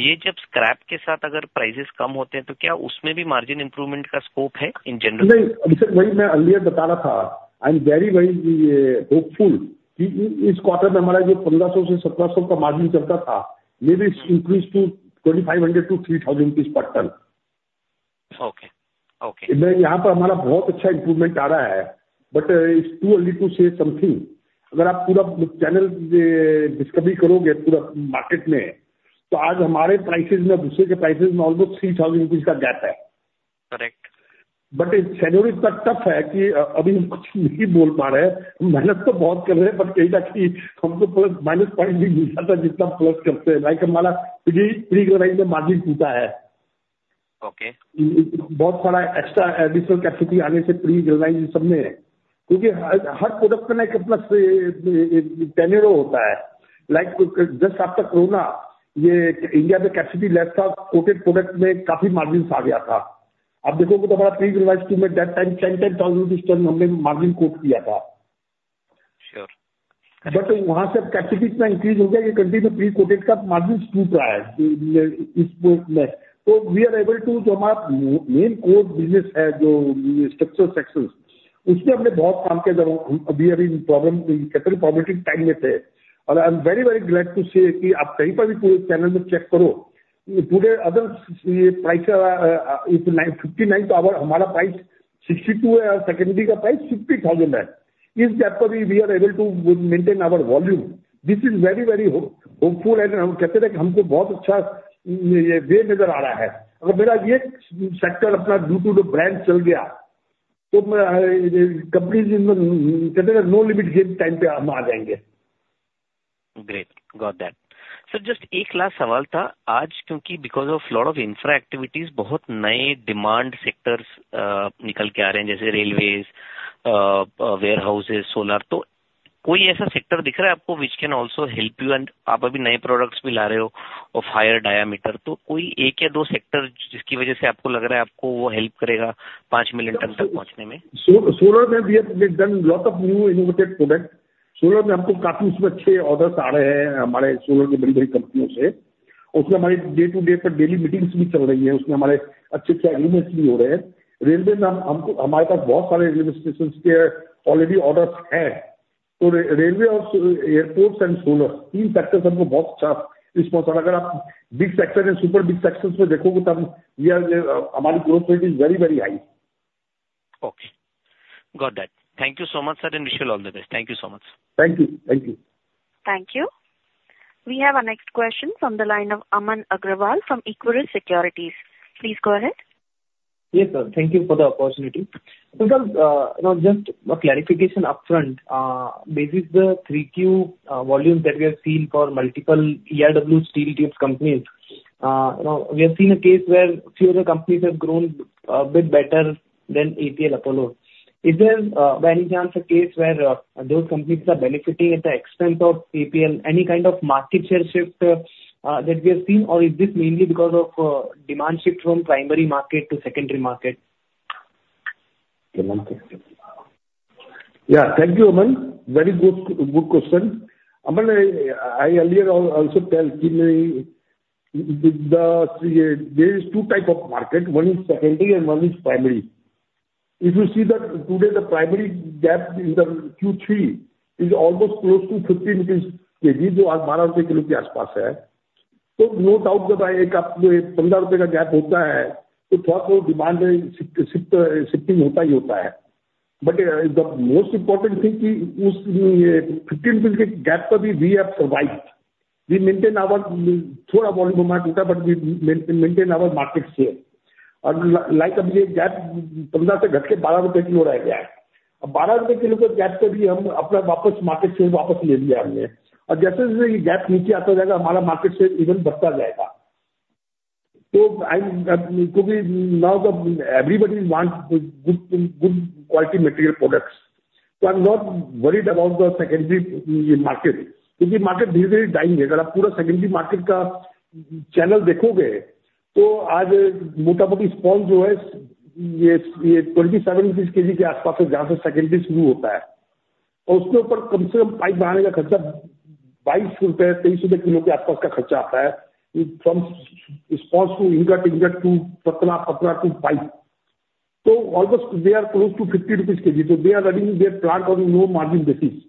Yeh jab scrap ke saath agar price kam hote hain to kya usmein bhi margin improvement ka scope hai in general? No, Abhishek, that's what I told you earlier. I am very very hopeful that in this quarter our margin which was running at INR 1,500-INR 1,700, may be increase to INR 2,500-INR 3,000 per ton. Okay, okay. Yahan par hamara bahut achcha improvement aa raha hai. But it's too early to say something. Agar aap pura channel, discovery karoge, pura market mein to aaj hamare price mein dusre ke price mein almost INR 3,000 ka gap hai. Correct. But seller itna tough hai ki abhi hum kuch nahi bol pa rahe hain. Mehnat to bahut kar rahe hain, but kahin na kahin humko plus minus point bhi milta hai jitna plus karte hain, like hamara margin chhuta hai. Okay. Bahut saara extra additional capacity aane se pre-galvanized sab mein kyunki har product ne apna pendulum hota hai. Like just ab tak corona ye India mein capacity less tha. Coated product mein kaafi margins aa gaya tha. Ab dekhoge to hamara pre-galvanized mein that time 10,000 mein humne margin quote kiya tha. But wahan se capacity increase ho gaya. Ye country mein pre-coated ka margin toota hai. Is mein to we are able to jo hamara main core business hai, jo structural sections usmein humne bahut kaam kiya. Abhi abhi problem, problem time mein the aur I am very very glad to see ki aap kahin par bhi koi channel mein check karo. Today other price is INR 1,959, hamara price INR 62 hai aur secondary ka price INR 50,000 hai. Is gap par we are able to maintain our volume. This is very very hopeful and hum kehte hain ki humko bahut achha way nazar aa raha hai aur mera ye sector apna duty brand chala gaya to company kehte hain no limit time par hum aa jayenge. Great. Got that. Sir, just one last question. Today because of a lot of infra activities, many new demand sectors are emerging. Like railway, warehouse, solar. So, is there any such sector visible to you, which can also help you and you are also launching new products and higher diameter. So, any one or two sectors due to which you think it will help you in reaching 5 million tons. In solar, we have done a lot of new innovative products. In solar, we are getting quite good orders. From our solar's big big companies, in that our day-to-day daily meetings are also going on. In that our good good agreements are also happening. In railway, we have a lot of already orders for railway stations so railway and airport and solar three sectors we are getting very good response if you see in big sector and super big sectors then we are our growth very very high. Okay, got that. Thank you so much and wish you all the best. Thank you so much. Thank you. Thank you. Thank you. We have a next question from the line of Aman Agarwal from Equirus Securities. Please go ahead. Yes sir, thank you for the opportunity. Sir, just clarification upfront, this is the Q3 volume that we have seen for multiple year steel tube company. We have seen case where few company has, grown bit better than APL Apollo. Is there by any chance, a case where some company has, benefiting at the expense of APL, any kind of market share shift that we have seen and is this mainly because of demand shift from primary market to secondary market. Yeah, thank you Aman, very good, good question. Aman, I earlier also tell that there is two type of market, one is secondary and one is primary. If you see that today, the primary gap in the Q3 is almost close to 50 INR/kg, which today 12 INR/kg around is. So no doubt about it you jo 15 INR ka gap hota hai to thoda bahut demand shifting hota hi hota hai. But the most important thing that us fifteen INR ke gap par bhi we have survive, we maintain our thoda volume toota, but we maintain our market share and like now this gap fifteen se ghatke 12 INR/kg aa gaya hai. Now 12 INR/kg ke gap par bhi hum apna wapas market share wapas le liya humne and jaise jaise ye gap neeche aata jayega, hamara market share evam badhta jayega.... So, it could be now that everybody wants good, good quality material products. So I'm not worried about the secondary market. Because the market slowly dying, if you look at the whole secondary market channel, so today approximately sponge which is, yeah, it's 27 kg around where the secondary starts. And on top of that, the minimum cost of making pipe is INR 22-INR 23 per kg. From sponge to ingot, ingot to patla, patla to pipe. So almost they are close to INR 50 per kg, so they are running their plant on a low margin basis.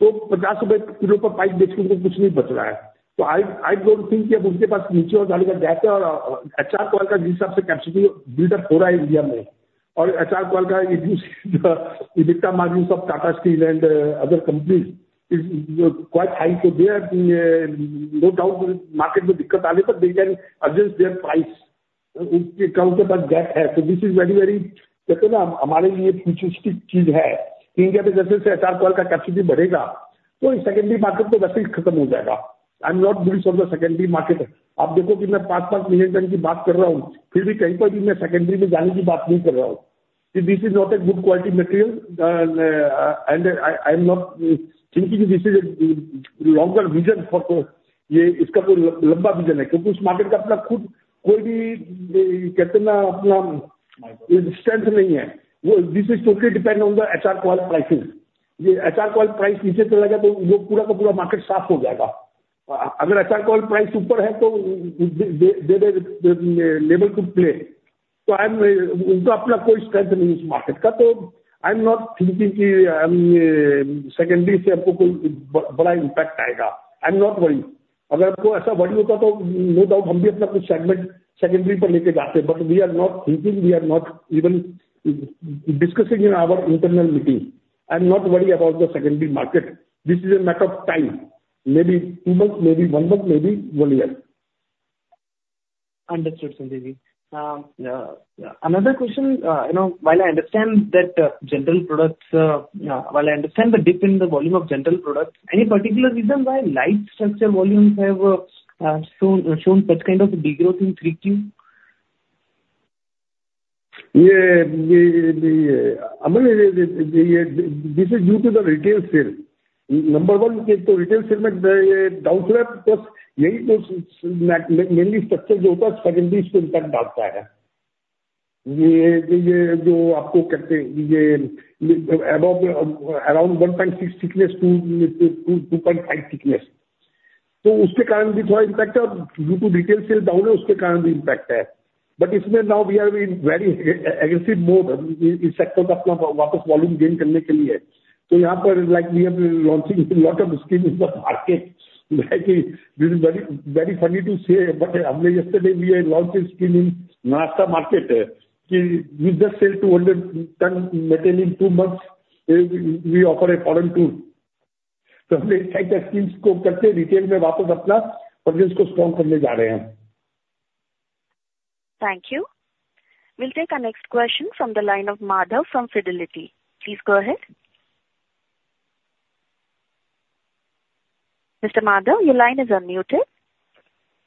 So INR 50 per kg of pipe, they are not saving anything. So I don't think that they have the gap and HR coil capacity is building up in India. HR Coil's EBITDA margin of Tata Steel and other companies is quite high, so they are no doubt, if there is a problem in the market, they can adjust their price. Because they have a gap, so this is very, very, let's say, for us it's a positive thing. As the HR Coil capacity increases in India, this secondary market will eventually end. I'm not bullish on the secondary market. You see that I'm talking about 5 million tons, yet I'm not talking about going into secondary anywhere. So this is not a good quality material, and I'm not thinking this is a longer vision for those. This has some long vision, because this market itself does not have any, how to say, strength. This is totally dependent on the HR Coil pricing. If the HR coil price goes down, then this entire market will be wiped out. If the HR coil price is high, then they will be able to play. So I'm it does not have any strength in this market. So I'm not thinking that secondary will have any big impact on us. I'm not worried. If I were so worried, then no doubt we would also take some of our segments to secondary, but we are not thinking, we are not even discussing in our internal meetings. I'm not worried about the secondary market. This is a matter of time, maybe two months, maybe one month, maybe one year. Understood, Sandeep ji. Another question, you know, while I understand the dip in the volume of general products, any particular reason why light structure volumes have shown such kind of a degrowth in 3Q? Yeah, yeah, the, this is due to the retail sale. Number one, in retail sale, the down slip, plus mainly structure which is secondary impacts. This, this, what you say, this above, around 1.6 thickness to 2.5 thickness. So because of that also there is an impact, and due to retail sale being down, there is an impact because of that. But in this now we are in very aggressive mode, this sector to get our volume back. So here, like, we are launching a lot of schemes in the market. Like, this is very, very funny to say, but yesterday we are launching scheme in NCR market, that if you just sell 200-ton material in two months, we, we offer a foreign tour. So we are going to revive our presence in retail by doing such schemes. Thank you. We'll take our next question from the line of Madhav from Fidelity. Please go ahead. Mr. Madhav, your line is unmuted.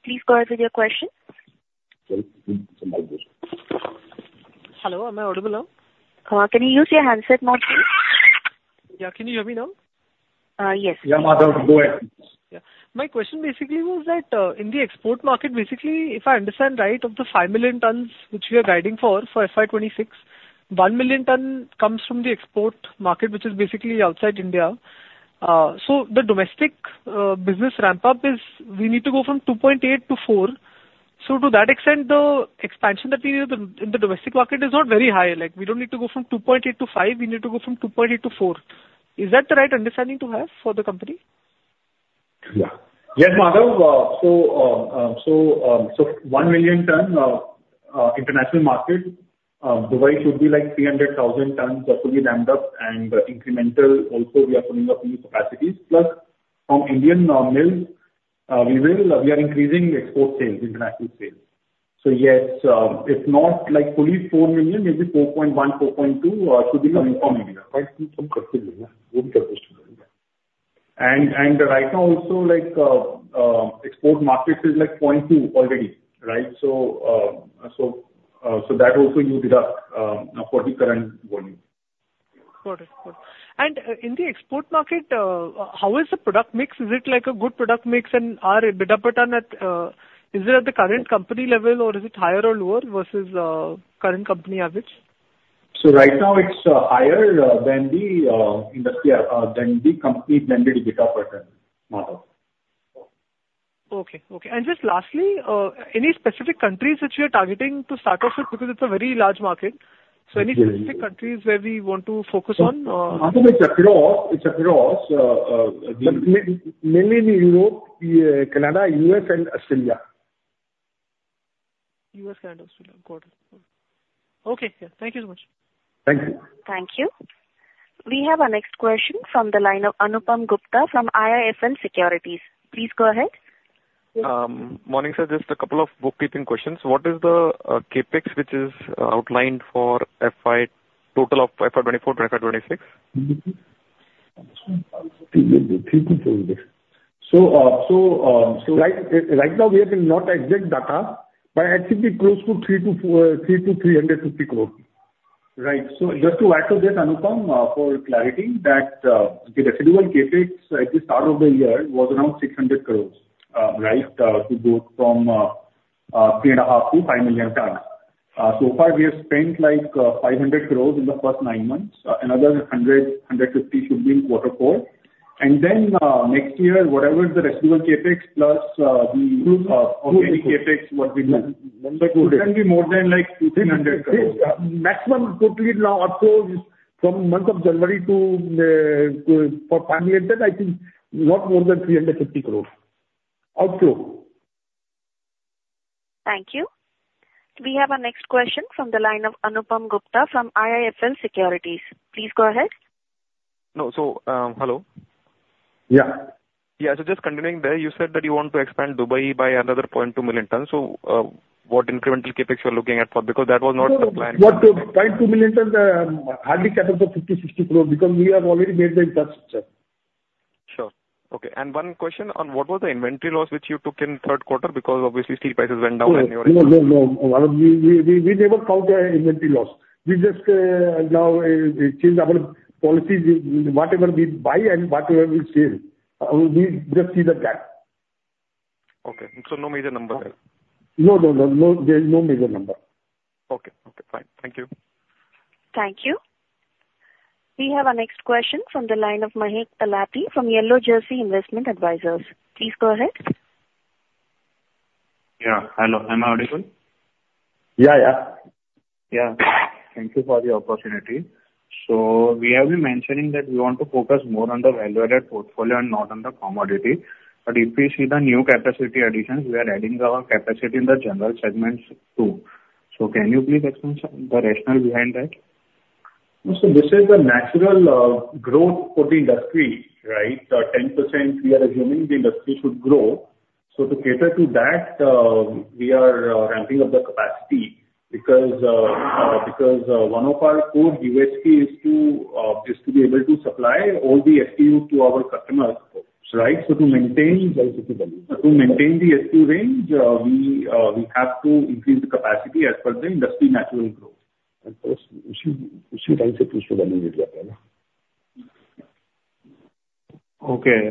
Please go ahead with your question. Hello, am I audible now? Can you use your handset mode, please? Yeah. Can you hear me now? Uh, yes. Yeah, Madhav, go ahead. Yeah. My question basically was that, in the export market, basically, if I understand right, of the 5 million tons which we are guiding for, for FY 2026, 1 million ton comes from the export market, which is basically outside India. So the domestic business ramp up is we need to go from 2.8 to 4. So to that extent, the expansion that we need in the domestic market is not very high. Like, we don't need to go from 2.8 to 5, we need to go from 2.8 to 4. Is that the right understanding to have for the company? Yeah. Yes, Madhav. So, one million ton international market, Dubai should be like 300,000 tons that will be ramped up and incremental also we are putting up new capacities. Plus from Indian mills, we will, we are increasing export sales, international sales. So yes, it's not like fully 4 million, maybe 4.1, 4.2 should be coming from India. Right. Some confusion. Little confusion. And right now also, like, export markets is like 0.2 already, right? So, so that also you deduct, for the current volume. Got it. Got it. And in the export market, how is the product mix? Is it like a good product mix? And EBITDA margin at, is it at the current company level, or is it higher or lower versus current company average? So right now it's higher than the industrial than the company blended EBITDA per ton, Madhav. Okay. Okay. Just lastly, any specific countries which you are targeting to start off with? Because it's a very large market. Yes. So any specific countries where we want to focus on? Madhav, it's across mainly in Europe, Canada, U.S. and Australia. U.S., and Australia. Got it. Okay. Yeah. Thank you so much. Thank you. Thank you. We have our next question from the line of Anupam Gupta from IIFL Securities. Please go ahead. Morning, sir. Just a couple of bookkeeping questions. What is the CapEx, which is outlined for FY, total of FY 2024 to FY 2026? Right now we have no exact data, but I think it's close to 300-400 crore, 300-350 crore. Right. So just to add to this, Anupam, for clarity, that the residual CapEx at the start of the year was around 600 crore, right? To go from 3.5-5 million tons. So far, we have spent like 500 crore in the first nine months. Another 150 should be in quarter four. And then, next year, whatever is the residual CapEx plus the- Good. Any CapEx, what we do, shouldn't be more than like 200 crore. Maximum totally now outflow is from month of January to, for financial, I think not more than 350 crore outflow. Thank you. We have our next question from the line of Anupam Gupta from IIFL Securities. Please go ahead. No. So, hello? Yeah. Yeah, so just continuing there, you said that you want to expand Dubai by another 0.2 million tons. So, what incremental CapEx you're looking at for? Because that was not the plan. 0.2 million tons, hardly capital 50-60 crore because we have already made the infrastructure. Sure. Okay. One question on what was the inventory loss which you took in third quarter? Because obviously, steel prices went down and you were- No, no, no. We never count inventory loss. We just now change our policies, whatever we buy and whatever we sell, we just see the gap. Okay. No major number? No, no, no, no, there's no major number. Okay. Okay, fine. Thank you. Thank you. We have our next question from the line of Mahesh Talati from Yellow Jersey Investment Advisors. Please go ahead. Yeah, hello, am I audible? Yeah, yeah. Yeah. Thank you for the opportunity. So we have been mentioning that we want to focus more on the value-added portfolio and not on the commodity, but if we see the new capacity additions, we are adding our capacity in the general segments too. So can you please explain some of the rationale behind that? So this is the natural growth for the industry, right? 10% we are assuming the industry should grow. So to cater to that, we are ramping up the capacity because one of our core USP is to be able to supply all the SKU to our customers, right? So to maintain. Value to volume. To maintain the SKU range, we have to increase the capacity as per the industry natural growth. Of course, we should, we should try to increase the value, yeah. Okay.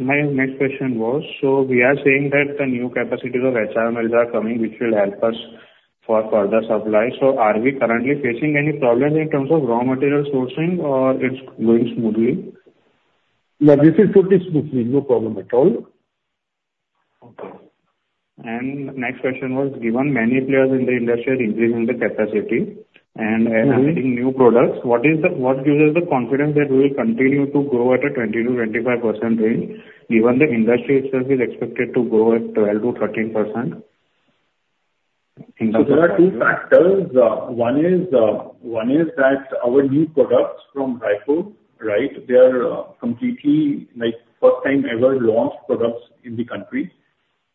My next question was, so we are saying that the new capacities of HR are coming, which will help us for further supply. Are we currently facing any problems in terms of raw material sourcing, or it's going smoothly? Yeah, this is totally smoothly. No problem at all. Okay. Next question was, given many players in the industry are increasing the capacity and- Mm-hmm. Adding new products, what gives us the confidence that we will continue to grow at a 20%-25% range, given the industry itself is expected to grow at 12%-13%? So there are two factors. One is that our new products from Raipur, right? They are completely like first time ever, launched products in the country.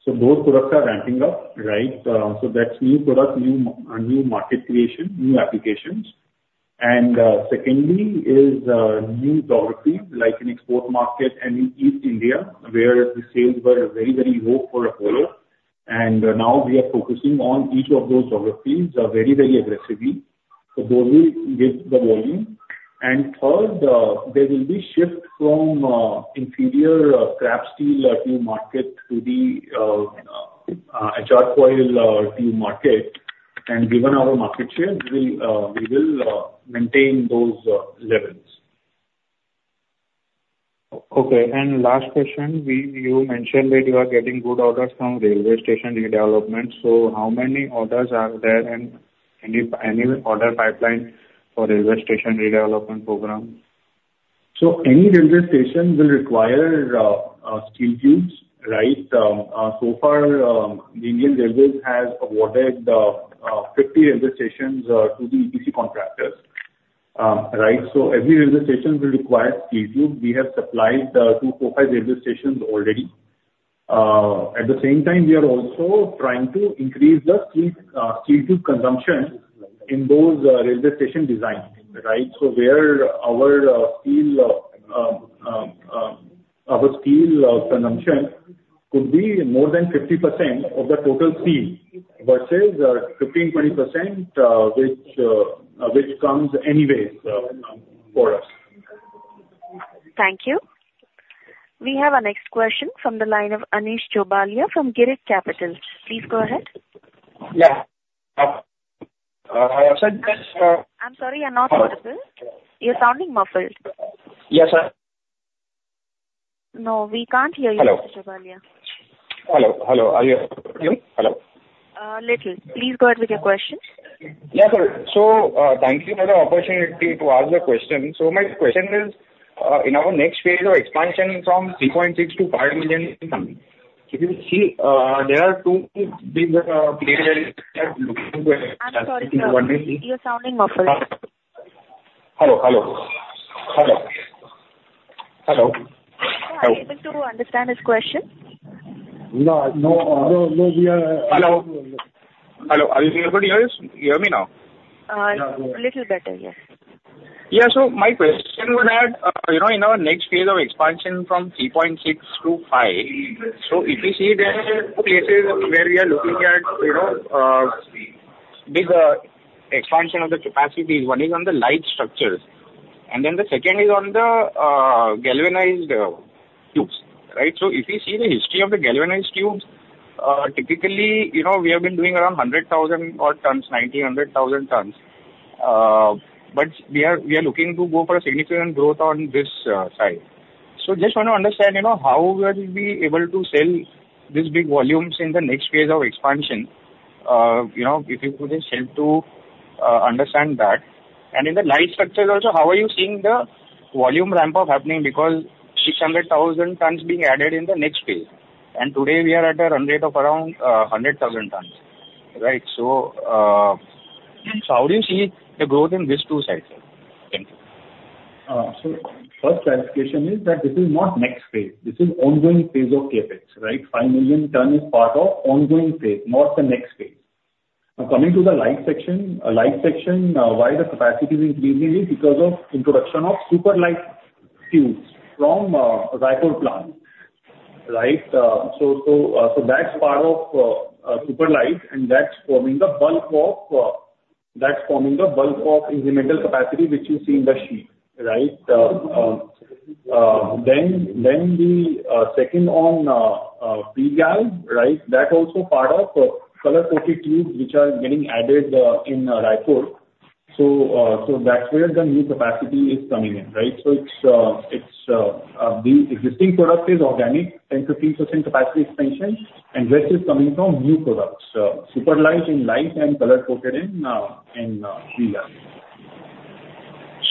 So those products are ramping up, right? So that's new product, new, new market creation, new applications. And secondly is new geography, like in export market and in East India, where the sales were very, very low for Apollo, and now we are focusing on each of those geographies very, very aggressively. So those will give the volume. And third, there will be shift from inferior, scrap steel, to market to the HR coil, to market. And given our market share, we will, we will, maintain those levels. Okay, and last question, you mentioned that you are getting good orders from railway station redevelopments. So how many orders are there, and any order pipeline for railway station redevelopment program? Any railway station will require Steel Tubes, right? So far, the Indian Railways has awarded 50 railway stations to the EPC contractors. Right, so every railway station will require steel tube. We have supplied to 4-5 railway stations already. At the same time, we are also trying to increase the steel tube consumption in those railway station designs, right? So where our steel consumption could be more than 50% of the total steel versus 15%-20%, which comes anyways for us. Thank you. We have our next question from the line of Anish Jobalia from Girik Capital. Please go ahead. Yeah. I said, I'm sorry, you're not audible. You're sounding muffled. Yes, sir. No, we can't hear you, Mr. Jobalia. Hello. Hello, hello, are you... Hello? Please go ahead with your question. Yeah, sure. So, thank you for the opportunity to ask the question. So my question is, in our next phase of expansion from 3.6 to 5 million ton, if you see, there are two, two big, players that are looking to- I'm sorry, sir. You're sounding muffled. Hello, hello. Hello? Hello. Sir, are you able to understand his question? No, no, no, we are- Hello? Hello, are you able to hear this? You hear me now? A little better, yes. Yeah, so my question was that, you know, in our next phase of expansion from 3.6 to 5, so if we see there are places where we are looking at, you know, big expansion of the capacities, one is on the light structures, and then the second is on the galvanized tubes, right? So if you see the history of the galvanized tubes, typically, you know, we have been doing around 100,000 odd tons, 90,000, 100,000 tons. But we are looking to go for a significant growth on this side. So just want to understand, you know, how we will be able to sell these big volumes in the next phase of expansion. You know, if you could just help to understand that. In the light structures also, how are you seeing the volume ramp up happening? Because 600,000 tons being added in the next phase, and today we are at a run rate of around 100,000 tons, right? So, so how do you see the growth in these two sides here? Thank you. So first clarification is that this is not next phase, this is ongoing phase of CapEx, right? 5 million ton is part of ongoing phase, not the next phase. Now, coming to the light section, why the capacity is increasing is because of introduction of Super Light Tubes from Raipur plant, right? So that's part of Super Light, and that's forming the bulk of incremental capacity which you see in the sheet, right? Then the second on pre-galv, right? That also part of Color-Coated Tubes which are getting added in Raipur. So that's where the new capacity is coming in, right? So it's the existing product is organic 10-10% capacity expansion, and rest is coming from new products, super light in light and color coated in pre-galv.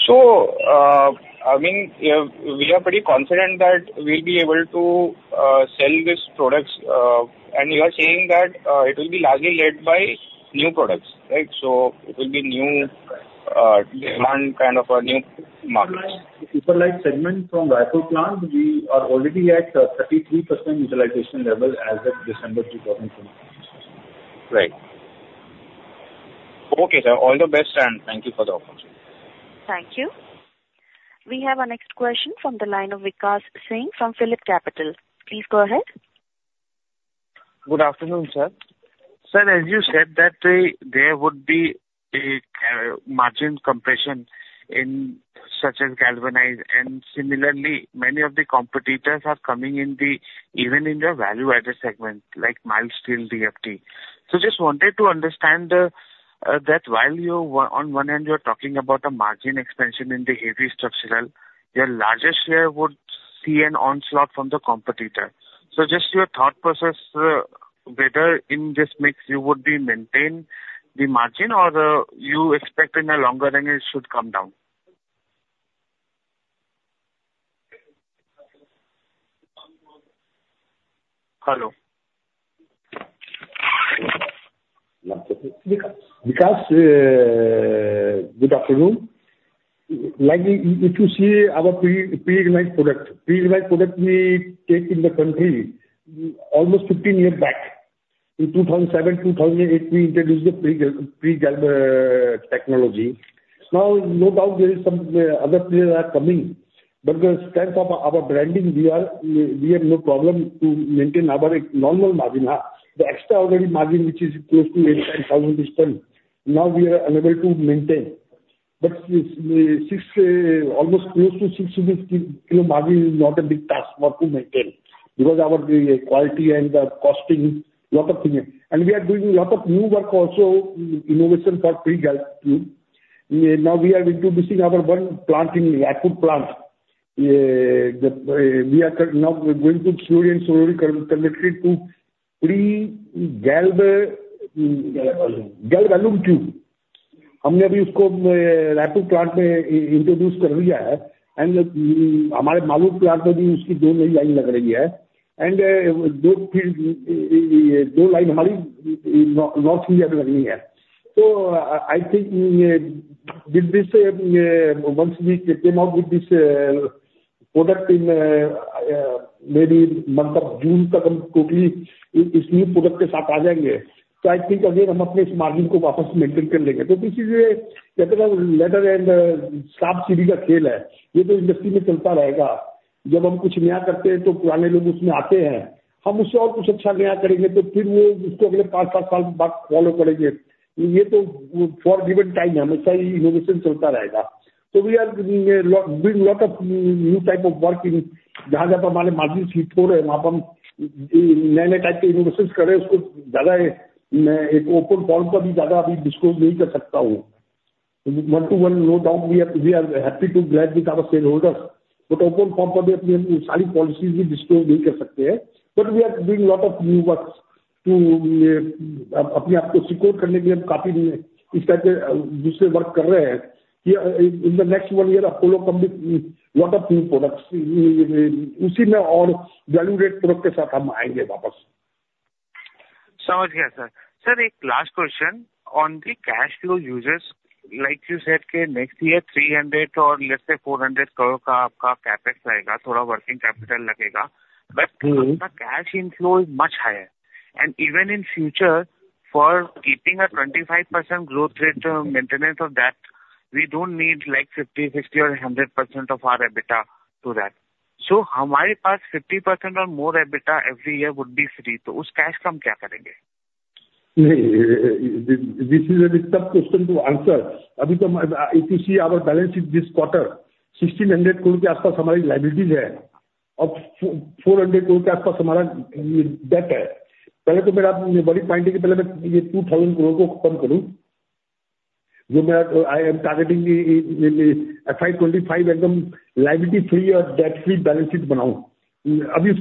So, I mean, we are pretty confident that we'll be able to sell these products, and you are saying that it will be largely led by new products, right? So it will be new demand, kind of new markets. Super Light, Super Light segment from Raipur plant, we are already at 33% utilization level as of December 2021. Right. Okay, sir. All the best, and thank you for the opportunity. Thank you. We have our next question from the line of Vikash Singh from Phillip Capital. Please go ahead. Good afternoon, sir. Sir, as you said, that there would be a margin compression in such as galvanized, and similarly, many of the competitors are coming in the, even in the value-added segment, like mild steel DFT. So just wanted to understand, that while you, on one hand, you're talking about a margin expansion in the heavy structural, your largest share would see an onslaught from the competitor. So just your thought process, whether in this mix you would be maintain the margin, or, you expect in the longer run it should come down? Hello? Vikash, good afternoon. Like, if you see our pre-galvanized product we take in the country almost 15 years back, in 2007, 2008, we introduced the pre-galv technology. Now, no doubt there is some other players are coming, but the strength of our branding, we have no problem to maintain our normal margin. The extra already margin, which is close to 8,000-9,000 per ton, now we are unable to maintain. But six, almost close to 6,000 margin is not a big task for to maintain, because our quality and the costing, lot of things. And we are doing lot of new work also, innovation for pre-galv tube. Now we are introducing our one plant in Raipur plant. We are cur... Now we're going to slowly and slowly connect it to pre-galv, Galvalume tube. So I think with this, once we came out with this product in maybe month of June, so I think again, later and one to one, no doubt, we are happy and glad with our shareholders, but open form policies display. But we are doing lot of new works to in the next one year, Apollo will come with lot of new products. Understand, sir. Sir, a last question on the cash flow uses, like you said, okay, next year, 300 crore or let's say 400 crore CapEx, working capital. Mm-hmm. But cash inflow is much higher, and even in future for keeping a 25% growth rate, maintenance of that, we don't need like 50, 50, or 100% of our EBITDA to that. So 50% or more EBITDA every year would be free, so what cash we will do? No, this is a tough question to answer. If you see our balance sheet this quarter, INR 1,600 crore liabilities, and INR 400 crore debt. I am targeting the FY 2025, again, liability free or debt free balance sheet. Mm-hmm.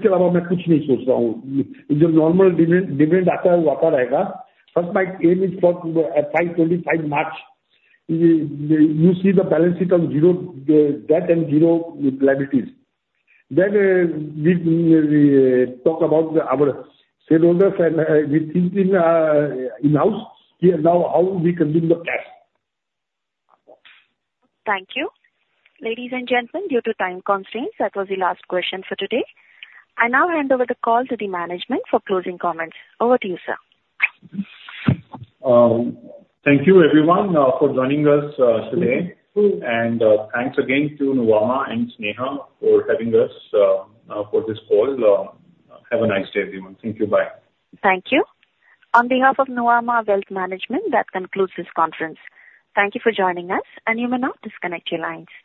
The normal demand, demand first, my aim is for FY 25 March. You see the balance sheet of zero debt and zero liabilities. Then, we talk about our shareholders and we think in-house, here, now, how we can bring the cash. Thank you. Ladies and gentlemen, due to time constraints, that was the last question for today. I now hand over the call to the management for closing comments. Over to you, sir. Thank you everyone for joining us today. Mm-hmm. Thanks again to Nomura and Neha for having us for this call. Have a nice day, everyone. Thank you. Bye. Thank you. On behalf of Nomura Wealth Management, that concludes this conference. Thank you for joining us, and you may now disconnect your lines.